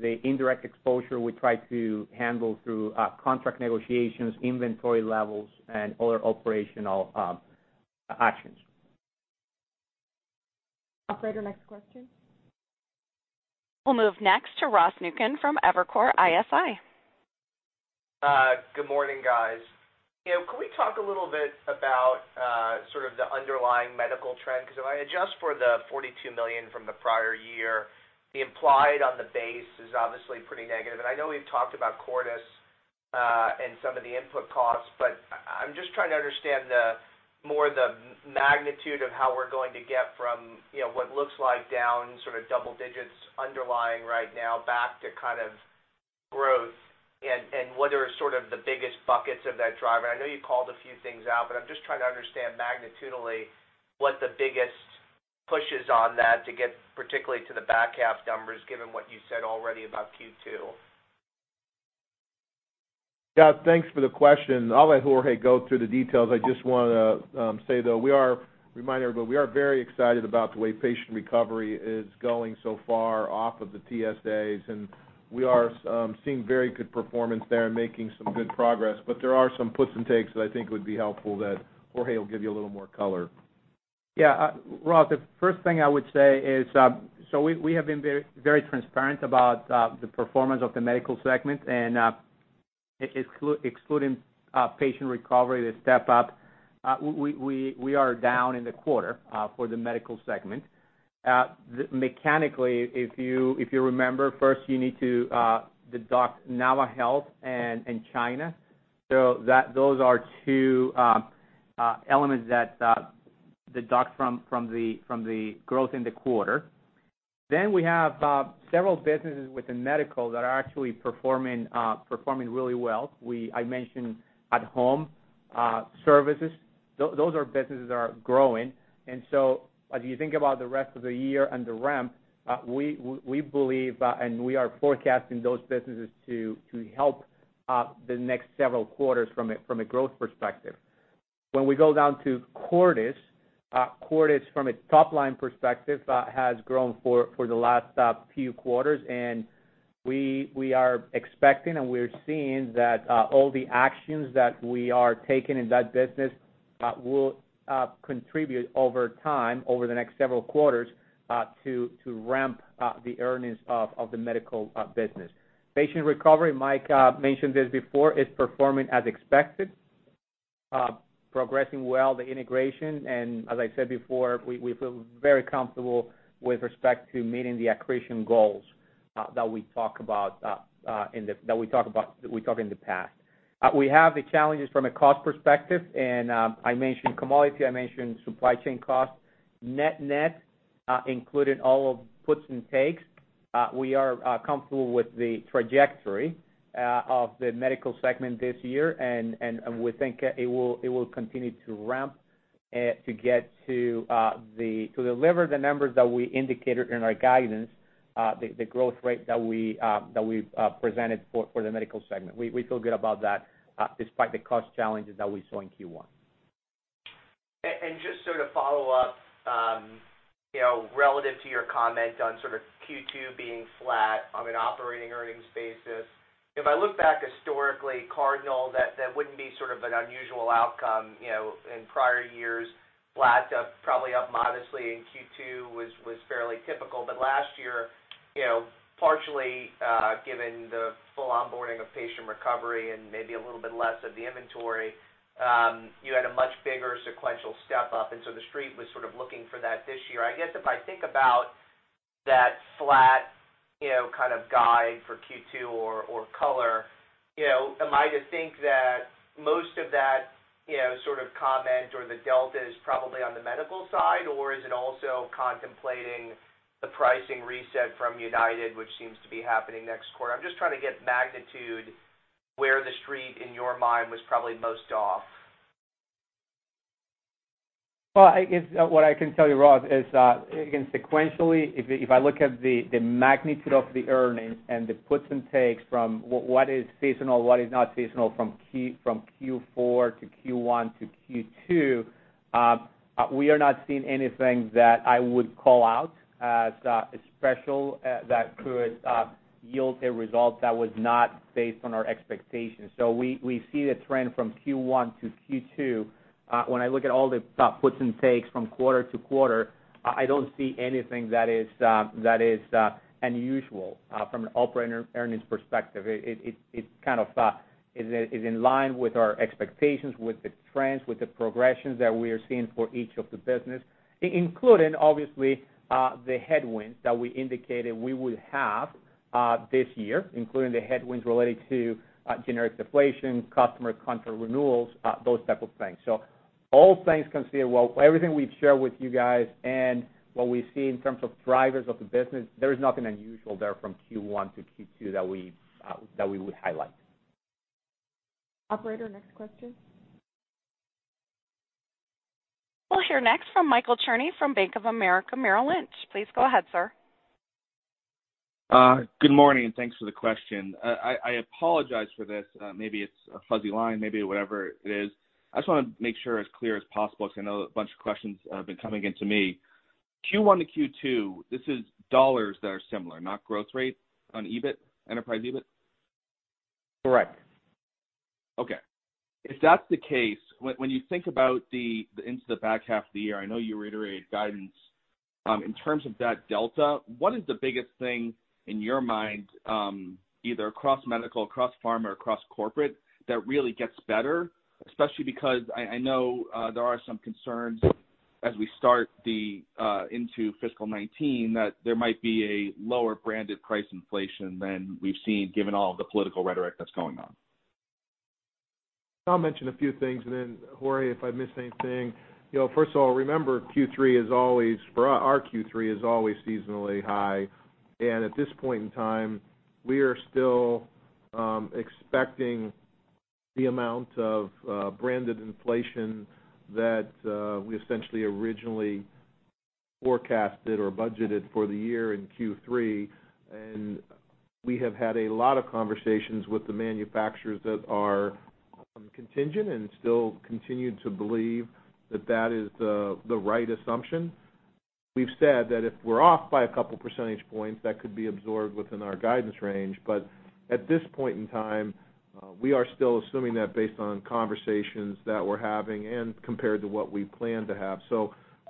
The indirect exposure, we try to handle through contract negotiations, inventory levels, and other operational actions. Operator, next question. We'll move next to Ross Muken from Evercore ISI. Good morning, guys. Can we talk a little bit about sort of the underlying medical trend? If I adjust for the $42 million from the prior year, the implied on the base is obviously pretty negative. I know we've talked about Cordis and some of the input costs, but I'm just trying to understand more the magnitude of how we're going to get from what looks like down sort of double digits underlying right now back to kind of growth and what are sort of the biggest buckets of that driver. I know you called a few things out, but I'm just trying to understand magnitudinally what the biggest push is on that to get particularly to the back-half numbers, given what you said already about Q2. Yeah, thanks for the question. I'll let Jorge go through the details. I just want to say, though, a reminder, we are very excited about the way Patient Recovery is going so far off of the TSAs, and we are seeing very good performance there and making some good progress. There are some puts and takes that I think would be helpful that Jorge will give you a little more color. Yeah. Ross, the first thing I would say is, we have been very transparent about the performance of the medical segment, and excluding Patient Recovery, the step-up, we are down in the quarter for the medical segment. Mechanically, if you remember, first you need to deduct naviHealth and China. Those are two elements that deduct from the growth in the quarter. We have several businesses within medical that are actually performing really well. I mentioned at-Home services. Those are businesses that are growing. As you think about the rest of the year and the ramp, we believe and we are forecasting those businesses to help the next several quarters from a growth perspective. When we go down to Cordis from a top-line perspective has grown for the last few quarters, and we are expecting and we are seeing that all the actions that we are taking in that business will contribute over time, over the next several quarters, to ramp up the earnings of the medical business. Patient Recovery, Mike mentioned this before, is performing as expected, progressing well the integration, and as I said before, we feel very comfortable with respect to meeting the accretion goals that we talk in the past. We have the challenges from a cost perspective, and I mentioned commodity, I mentioned supply chain costs. Net net, including all of puts and takes, we are comfortable with the trajectory of the medical segment this year, and we think it will continue to ramp to deliver the numbers that we indicated in our guidance, the growth rate that we have presented for the medical segment. We feel good about that despite the cost challenges that we saw in Q1. Just sort of follow up, relative to your comment on sort of Q2 being flat on an operating earnings basis. If I look back historically, Cardinal, that wouldn't be sort of an unusual outcome. In prior years, flat, probably up modestly in Q2 was fairly typical. Last year, partially given the full onboarding of Patient Recovery and maybe a little bit less of the inventory, you had a much bigger sequential step-up, so The Street was sort of looking for that this year. I guess if I think about that flat kind of guide for Q2 or color, am I to think that most of that sort of comment or the delta is probably on the medical side, or is it also contemplating the pricing reset from Optum, which seems to be happening next quarter? I am just trying to get magnitude where TheStreet, in your mind, was probably most off. Well, I guess what I can tell you, Ross, is again, sequentially, if I look at the magnitude of the earnings and the puts and takes from what is seasonal, what is not seasonal from Q4 to Q1 to Q2, we are not seeing anything that I would call out as special that could yield a result that was not based on our expectations. We see the trend from Q1-Q2. When I look at all the puts and takes from quarter to quarter, I don't see anything that is unusual from an operating earnings perspective. It kind of is in line with our expectations, with the trends, with the progressions that we are seeing for each of the business, including, obviously, the headwinds that we indicated we would have this year, including the headwinds related to generic deflation, customer contract renewals, those type of things. All things considered, well, everything we've shared with you guys and what we see in terms of drivers of the business, there is nothing unusual there from Q1-Q2 that we would highlight. Operator, next question. We'll hear next from Michael Cherny from Bank of America Merrill Lynch. Please go ahead, sir. Good morning, thanks for the question. I apologize for this. Maybe it's a fuzzy line, maybe whatever it is. I just want to make sure as clear as possible because I know a bunch of questions have been coming in to me. Q1-Q2, this is dollars that are similar, not growth rate on EBIT, enterprise EBIT? Correct. Okay. If that's the case, when you think about the into the back half of the year, I know you reiterated guidance. In terms of that delta, what is the biggest thing in your mind either across medical, across pharma, across corporate, that really gets better? Especially because I know there are some concerns as we start into fiscal 2019, that there might be a lower branded price inflation than we've seen given all the political rhetoric that's going on. I'll mention a few things, Jorge, if I miss anything. First of all, remember, Q3 is always, for us, our Q3 is always seasonally high, and at this point in time, we are still expecting the amount of branded inflation that we essentially originally forecasted or budgeted for the year in Q3. We have had a lot of conversations with the manufacturers that are contingent and still continue to believe that that is the right assumption. We've said that if we're off by a couple percentage points, that could be absorbed within our guidance range. At this point in time, we are still assuming that based on conversations that we're having and compared to what we plan to have.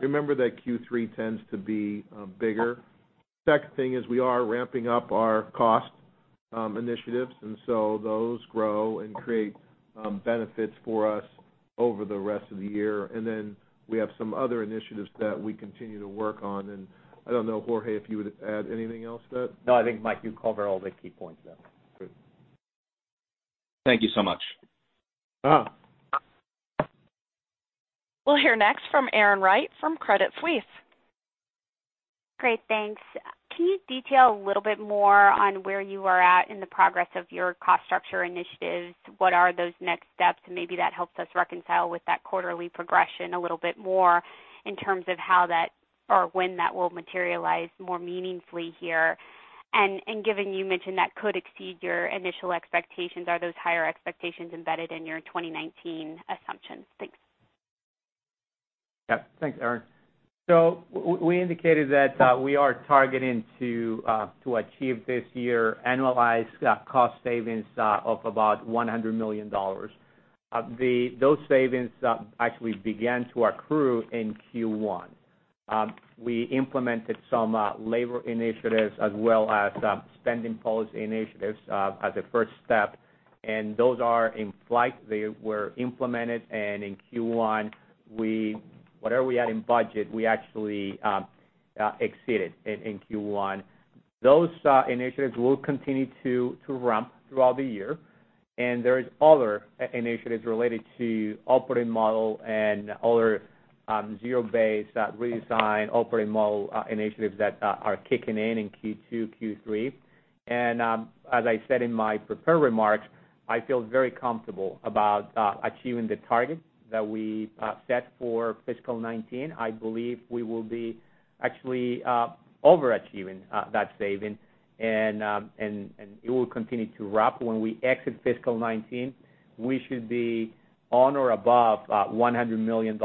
Remember that Q3 tends to be bigger. Second thing is we are ramping up our cost initiatives, those grow and create benefits for us over the rest of the year. We have some other initiatives that we continue to work on. I don't know, Jorge, if you would add anything else to that. No, I think, Mike, you covered all the key points there. Thank you so much. We'll hear next from Erin Wright from Credit Suisse. Great, thanks. Can you detail a little bit more on where you are at in the progress of your cost structure initiatives? What are those next steps? Maybe that helps us reconcile with that quarterly progression a little bit more in terms of how that or when that will materialize more meaningfully here. Given you mentioned that could exceed your initial expectations, are those higher expectations embedded in your 2019 assumptions? Thanks. Thanks, Erin. We indicated that we are targeting to achieve this year, annualized cost savings of about $100 million. Those savings actually began to accrue in Q1. We implemented some labor initiatives as well as spending policy initiatives as a first step, and those are in flight. They were implemented, and in Q1, whatever we had in budget, we actually exceeded in Q1. Those initiatives will continue to ramp throughout the year. There is other initiatives related to operating model and other zero-based redesign operating model initiatives that are kicking in Q2, Q3. As I said in my prepared remarks, I feel very comfortable about achieving the target that we set for fiscal 2019. I believe we will be actually over-achieving that saving and it will continue to ramp. When we exit fiscal 2019, we should be on or above $100 million in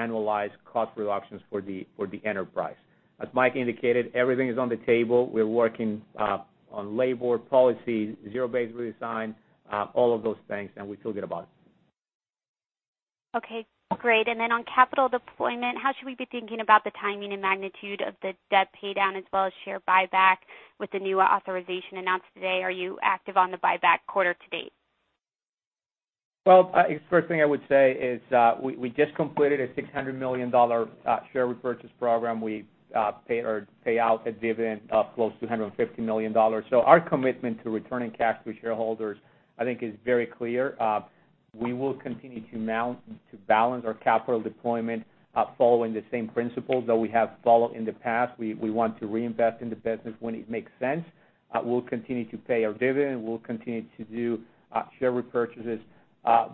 annualized cost reductions for the enterprise. As Mike indicated, everything is on the table. We're working on labor policies, zero-based redesign, all of those things. We feel good about it. Okay, great. On capital deployment, how should we be thinking about the timing and magnitude of the debt paydown as well as share buyback with the new authorization announced today? Are you active on the buyback quarter to date? Well, first thing I would say is, we just completed a $600 million share repurchase program. We pay out a dividend of close to $150 million. Our commitment to returning cash to shareholders, I think, is very clear. We will continue to balance our capital deployment, following the same principles that we have followed in the past. We want to reinvest in the business when it makes sense. We'll continue to pay our dividend, we'll continue to do share repurchases,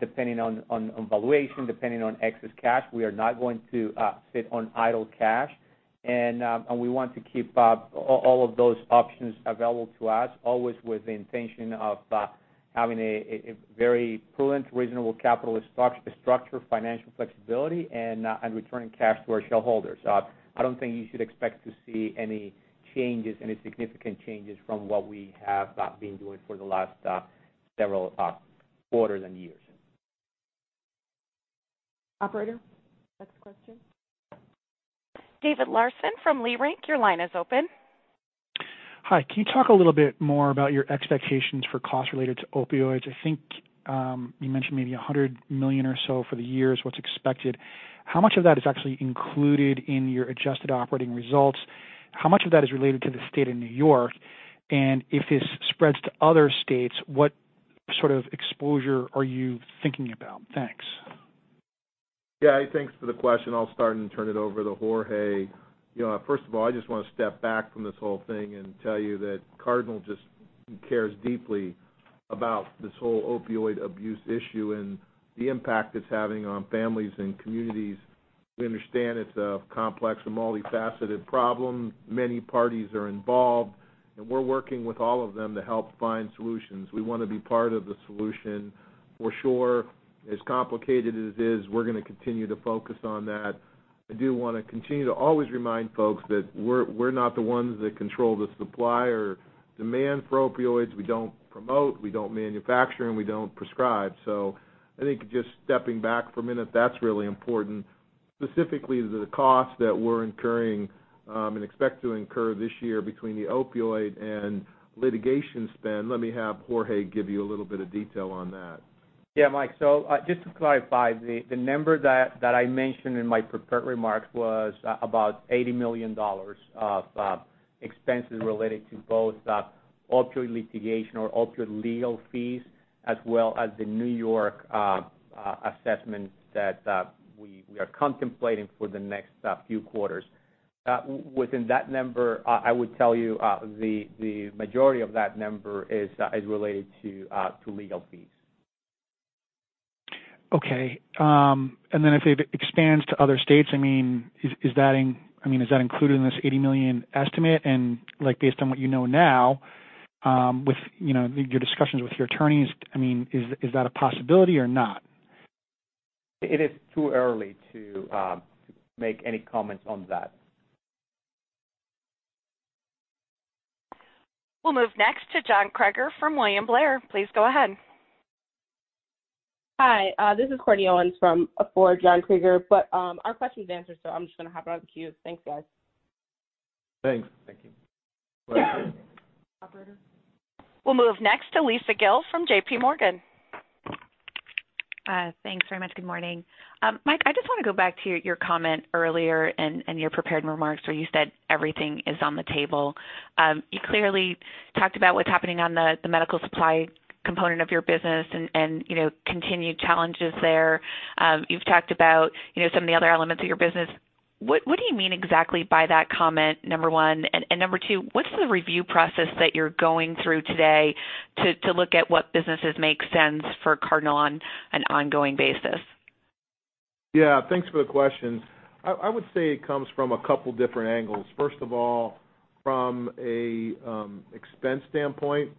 depending on valuation, depending on excess cash. We are not going to sit on idle cash. We want to keep all of those options available to us, always with the intention of having a very prudent, reasonable capital structure, financial flexibility, and returning cash to our shareholders. I don't think you should expect to see any significant changes from what we have been doing for the last several quarters and years. Operator, next question. David Larsen from Leerink, your line is open. Hi. Can you talk a little bit more about your expectations for costs related to opioids? I think, you mentioned maybe $100 million or so for the year is what's expected. How much of that is actually included in your adjusted operating results? How much of that is related to the State of New York, and if this spreads to other states, what sort of exposure are you thinking about? Thanks. Thanks for the question. I'll start and turn it over to Jorge. First of all, I just want to step back from this whole thing and tell you that Cardinal just cares deeply about this whole opioid abuse issue and the impact it's having on families and communities. We understand it's a complex and multifaceted problem. Many parties are involved, and we're working with all of them to help find solutions. We want to be part of the solution. For sure, as complicated as it is, we're going to continue to focus on that. I do want to continue to always remind folks that we're not the ones that control the supply or demand for opioids. We don't promote, we don't manufacture, and we don't prescribe. I think just stepping back for a minute, that's really important. Specifically to the cost that we're incurring, and expect to incur this year between the opioid and litigation spend, let me have Jorge give you a little bit of detail on that. Yeah, Mike. Just to clarify, the number that I mentioned in my prepared remarks was about $80 million of expenses related to both opioid litigation or opioid legal fees, as well as the New York assessment that we are contemplating for the next few quarters. Within that number, I would tell you, the majority of that number is related to legal fees. Okay. Then if it expands to other states, is that included in this $80 million estimate? Based on what you know now, with your discussions with your attorneys, is that a possibility or not? It is too early to make any comments on that. We'll move next to John Kreger from William Blair. Please go ahead. Hi, this is Courtney Owens for John Kreger. Our question's answered. I'm just going to hop out of the queue. Thanks, guys. Thanks. Thank you. Operator? We'll move next to Lisa Gill from JPMorgan. Thanks very much. Good morning. Mike, I just want to go back to your comment earlier in your prepared remarks where you said everything is on the table. You clearly talked about what's happening on the Medical Supply component of your business and continued challenges there. You've talked about some of the other elements of your business. What do you mean exactly by that comment? Number one. Number 2, what's the review process that you're going through today to look at what businesses make sense for Cardinal on an ongoing basis? Thanks for the questions. I would say it comes from a couple different angles. First of all, from an expense standpoint,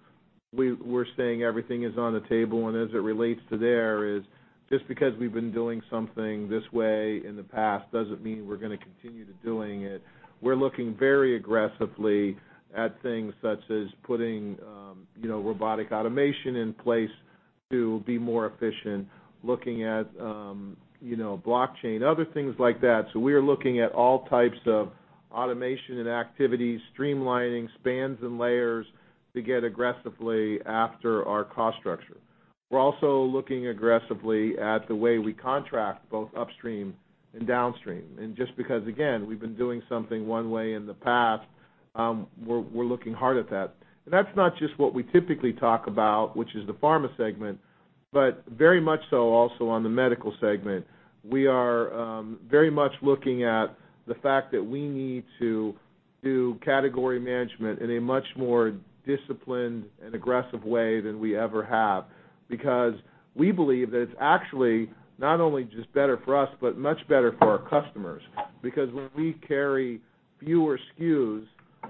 we're saying everything is on the table, and as it relates to there is, just because we've been doing something this way in the past doesn't mean we're going to continue to doing it. We're looking very aggressively at things such as putting robotic automation in place to be more efficient, looking at blockchain, other things like that. We are looking at all types of automation and activities, streamlining spans and layers to get aggressively after our cost structure. We're also looking aggressively at the way we contract, both upstream and downstream. Just because, again, we've been doing something one way in the past, we're looking hard at that. That's not just what we typically talk about, which is the Pharma Segment, but very much so also on the Medical Segment. We are very much looking at the fact that we need to do category management in a much more disciplined and aggressive way than we ever have. We believe that it's actually not only just better for us, but much better for our customers. When we carry fewer SKUs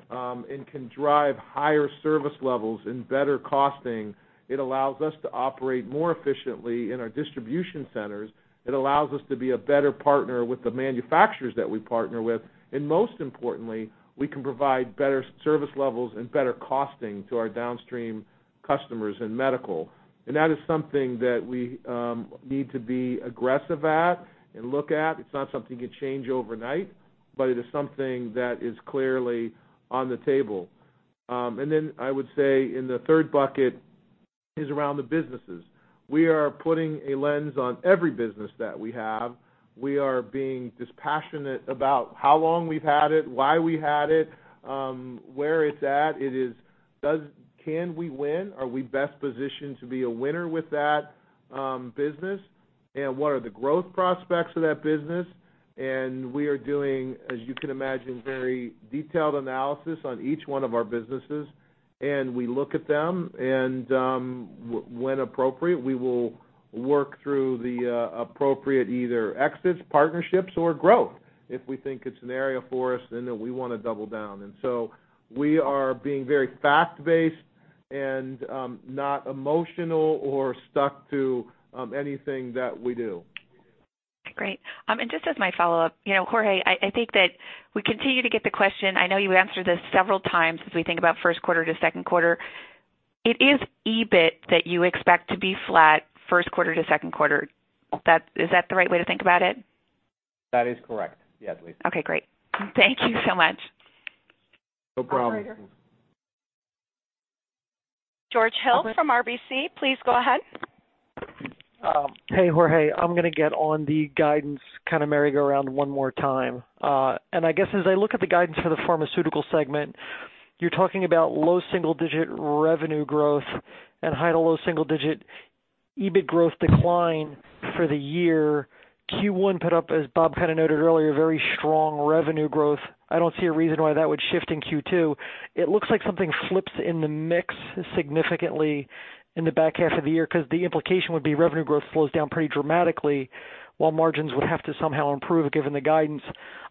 and can drive higher service levels and better costing, it allows us to operate more efficiently in our distribution centers. It allows us to be a better partner with the manufacturers that we partner with. Most importantly, we can provide better service levels and better costing to our downstream customers in Medical. That is something that we need to be aggressive at and look at. It's not something you can change overnight, but it is something that is clearly on the table. Then I would say in the third bucket is around the businesses. We are putting a lens on every business that we have. We are being dispassionate about how long we've had it, why we had it, where it's at. It is, can we win? Are we best positioned to be a winner with that business? What are the growth prospects of that business? We are doing, as you can imagine, very detailed analysis on each one of our businesses, and we look at them, and when appropriate, we will work through the appropriate either exits, partnerships, or growth. If we think it's an area for us, then we want to double down. We are being very fact-based and not emotional or stuck to anything that we do. Great. Just as my follow-up, Jorge, I think that we continue to get the question, I know you answered this several times as we think about first quarter to second quarter. It is EBIT that you expect to be flat first quarter to second quarter. Is that the right way to think about it? That is correct. Yes, Lisa. Okay, great. Thank you so much. No problem. Operator. George Hill from RBC, please go ahead. Hey, Jorge. I'm going to get on the guidance kind of merry-go-round one more time. I guess as I look at the guidance for the Pharmaceutical Segment, you're talking about low single-digit revenue growth and high to low single-digit EBIT growth decline for the year. Q1 put up, as Bob kind of noted earlier, very strong revenue growth. I don't see a reason why that would shift in Q2. It looks like something flips in the mix significantly in the back half of the year, because the implication would be revenue growth slows down pretty dramatically, while margins would have to somehow improve given the guidance.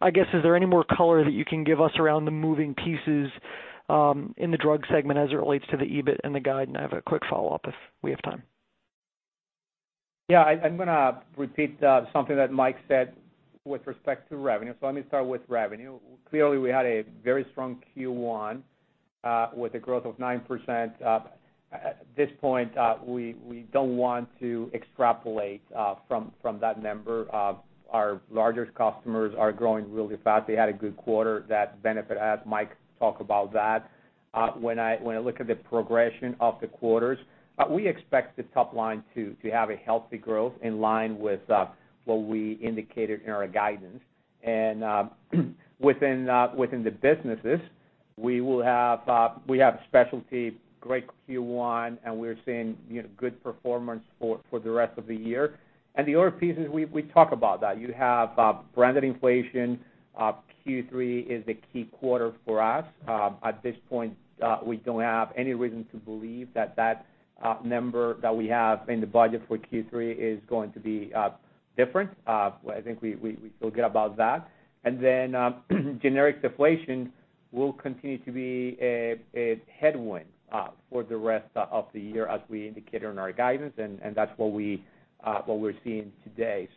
I guess, is there any more color that you can give us around the moving pieces in the drug segment as it relates to the EBIT and the guide? I have a quick follow-up if we have time. Yeah, I'm going to repeat something that Mike said with respect to revenue. Let me start with revenue. Clearly, we had a very strong Q1 with a growth of 9%. At this point, we don't want to extrapolate from that number. Our largest customers are growing really fast. They had a good quarter that benefited, as Mike talked about that. When I look at the progression of the quarters, we expect the top line to have a healthy growth in line with what we indicated in our guidance. Within the businesses, we have Specialty great Q1, we're seeing good performance for the rest of the year. The other pieces, we talk about that. You have branded inflation. Q3 is a key quarter for us. At this point, we don't have any reason to believe that that number that we have in the budget for Q3 is going to be different. I think we feel good about that. Generic deflation will continue to be a headwind for the rest of the year, as we indicated in our guidance, and that's what we're seeing today.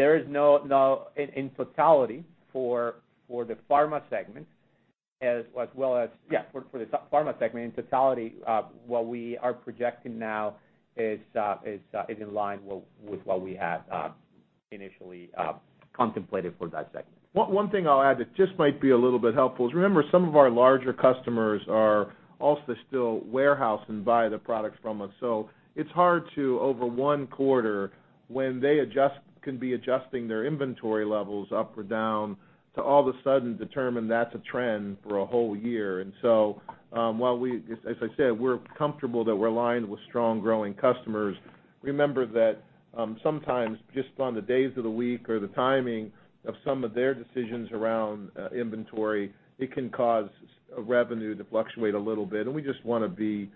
In totality for the pharma segment in totality, what we are projecting now is in line with what we had initially contemplated for that segment. One thing I'll add that just might be a little bit helpful is, remember, some of our larger customers are also still warehouse and buy the products from us. It's hard to, over one quarter, when they can be adjusting their inventory levels up or down to all of a sudden determine that's a trend for a whole year. As I said, we're comfortable that we're aligned with strong growing customers. Remember that sometimes just on the days of the week or the timing of some of their decisions around inventory, it can cause revenue to fluctuate a little bit, and we just want to be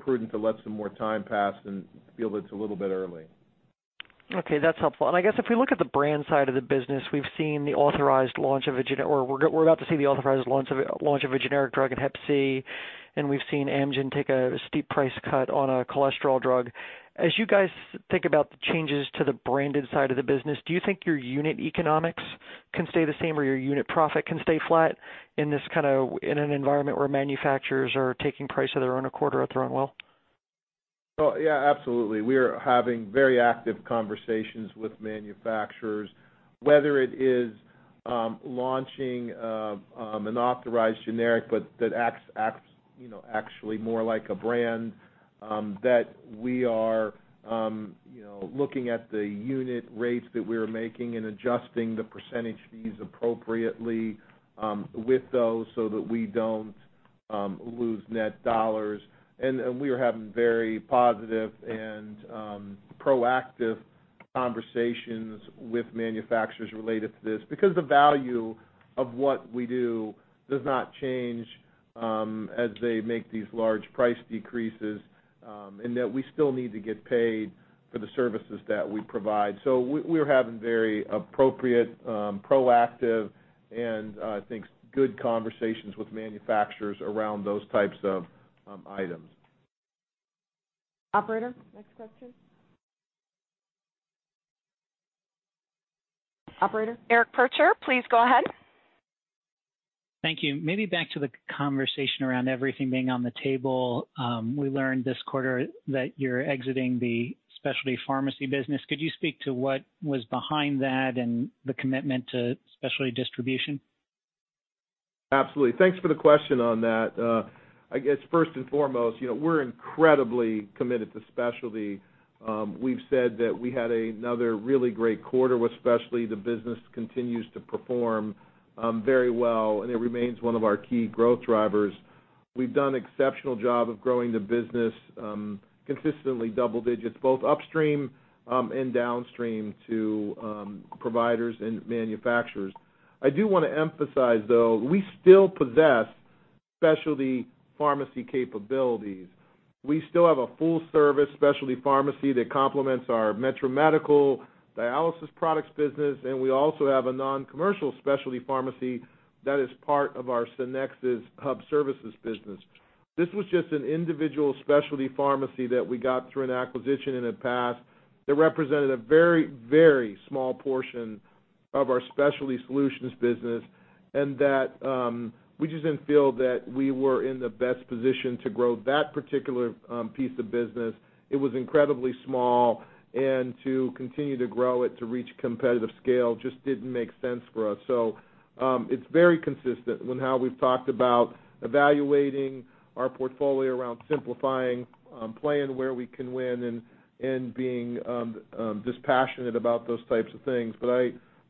prudent to let some more time pass and feel that it's a little bit early. Okay, that's helpful. I guess if we look at the brand side of the business, we've seen the authorized launch of a generic, or we're about to see the authorized launch of a generic drug in Hep C, and we've seen Amgen take a steep price cut on a cholesterol drug. As you guys think about the changes to the branded side of the business, do you think your unit economics can stay the same, or your unit profit can stay flat, in an environment where manufacturers are taking price of their own accord or at their own will? Well, yeah, absolutely. We are having very active conversations with manufacturers, whether it is launching an authorized generic, but that acts actually more like a brand, that we are looking at the unit rates that we're making and adjusting the percentage fees appropriately with those so that we don't lose net dollars. We are having very positive and proactive conversations with manufacturers related to this, because the value of what we do does not change as they make these large price decreases, in that we still need to get paid for the services that we provide. We're having very appropriate, proactive, and I think, good conversations with manufacturers around those types of items. Operator, next question. Operator? Eric Percher, please go ahead. Thank you. Maybe back to the conversation around everything being on the table. We learned this quarter that you're exiting the specialty pharmacy business. Could you speak to what was behind that and the commitment to specialty distribution? Absolutely. Thanks for the question on that. I guess first and foremost, we're incredibly committed to specialty. We've said that we had another really great quarter with specialty. The business continues to perform very well, and it remains one of our key growth drivers. We've done exceptional job of growing the business, consistently double digits, both upstream and downstream to providers and manufacturers. I do want to emphasize, though, we still possess specialty pharmacy capabilities. We still have a full-service specialty pharmacy that complements our metro medical dialysis products business, and we also have a non-commercial specialty pharmacy that is part of our Sonexus Hub services business. This was just an individual specialty pharmacy that we got through an acquisition in the past that represented a very small portion of our Specialty Solutions business, and that we just didn't feel that we were in the best position to grow that particular piece of business. It was incredibly small, and to continue to grow it to reach competitive scale just didn't make sense for us. It's very consistent with how we've talked about evaluating our portfolio around simplifying, playing where we can win, and being dispassionate about those types of things.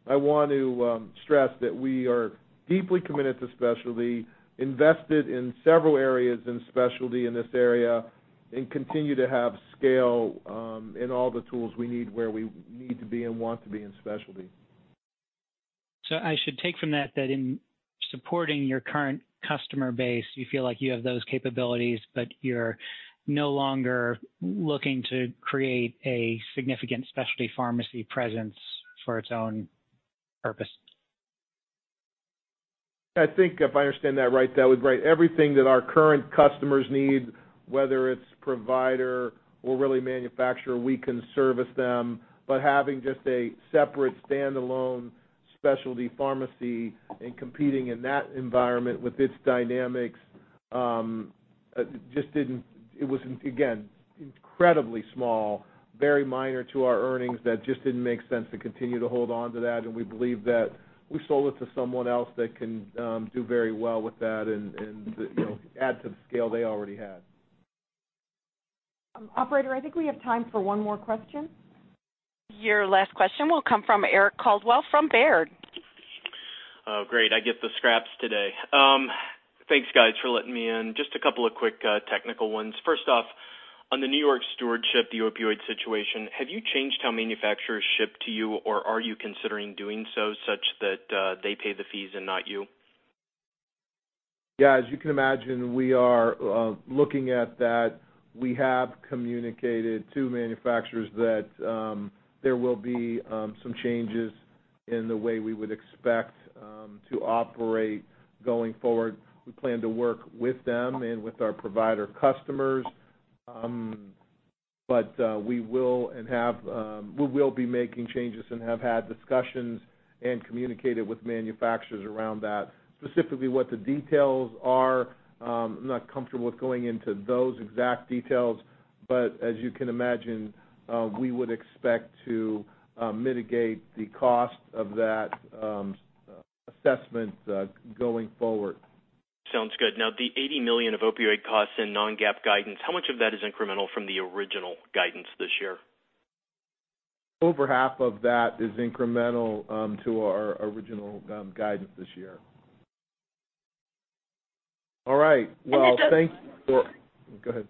I want to stress that we are deeply committed to specialty, invested in several areas in specialty in this area, and continue to have scale in all the tools we need, where we need to be and want to be in specialty. I should take from that that in supporting your current customer base, you feel like you have those capabilities, but you're no longer looking to create a significant specialty pharmacy presence for its own purpose. I think if I understand that right, that was right. Everything that our current customers need, whether it's provider or really manufacturer, we can service them. Having just a separate, standalone specialty pharmacy and competing in that environment with its dynamics, it was, again, incredibly small, very minor to our earnings, that just didn't make sense to continue to hold onto that. We believe that we sold it to someone else that can do very well with that and add to the scale they already had. Operator, I think we have time for one more question. Your last question will come from Eric Coldwell from Baird. Oh, great, I get the scraps today. Thanks, guys, for letting me in. Just a couple of quick technical ones. First off, on the New York stewardship, the opioid situation, have you changed how manufacturers ship to you, or are you considering doing so such that they pay the fees and not you? As you can imagine, we are looking at that. We have communicated to manufacturers that there will be some changes in the way we would expect to operate going forward. We plan to work with them and with our provider customers. We will be making changes and have had discussions and communicated with manufacturers around that. Specifically, what the details are, I'm not comfortable with going into those exact details, but as you can imagine, we would expect to mitigate the cost of that assessment going forward. Sounds good. Now, the $80 million of opioid costs in non-GAAP guidance, how much of that is incremental from the original guidance this year? Over half of that is incremental to our original guidance this year. All right. Well, thank you. Go ahead.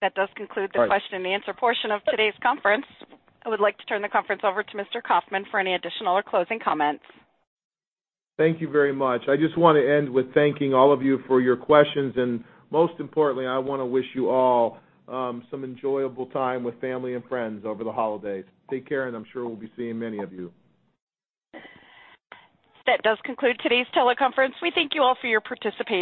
That does conclude the question-and-answer portion of today's conference. I would like to turn the conference over to Mr. Kaufmann for any additional or closing comments. Thank you very much. I just want to end with thanking all of you for your questions, and most importantly, I want to wish you all some enjoyable time with family and friends over the holidays. Take care, and I'm sure we'll be seeing many of you. That does conclude today's teleconference. We thank you all for your participation.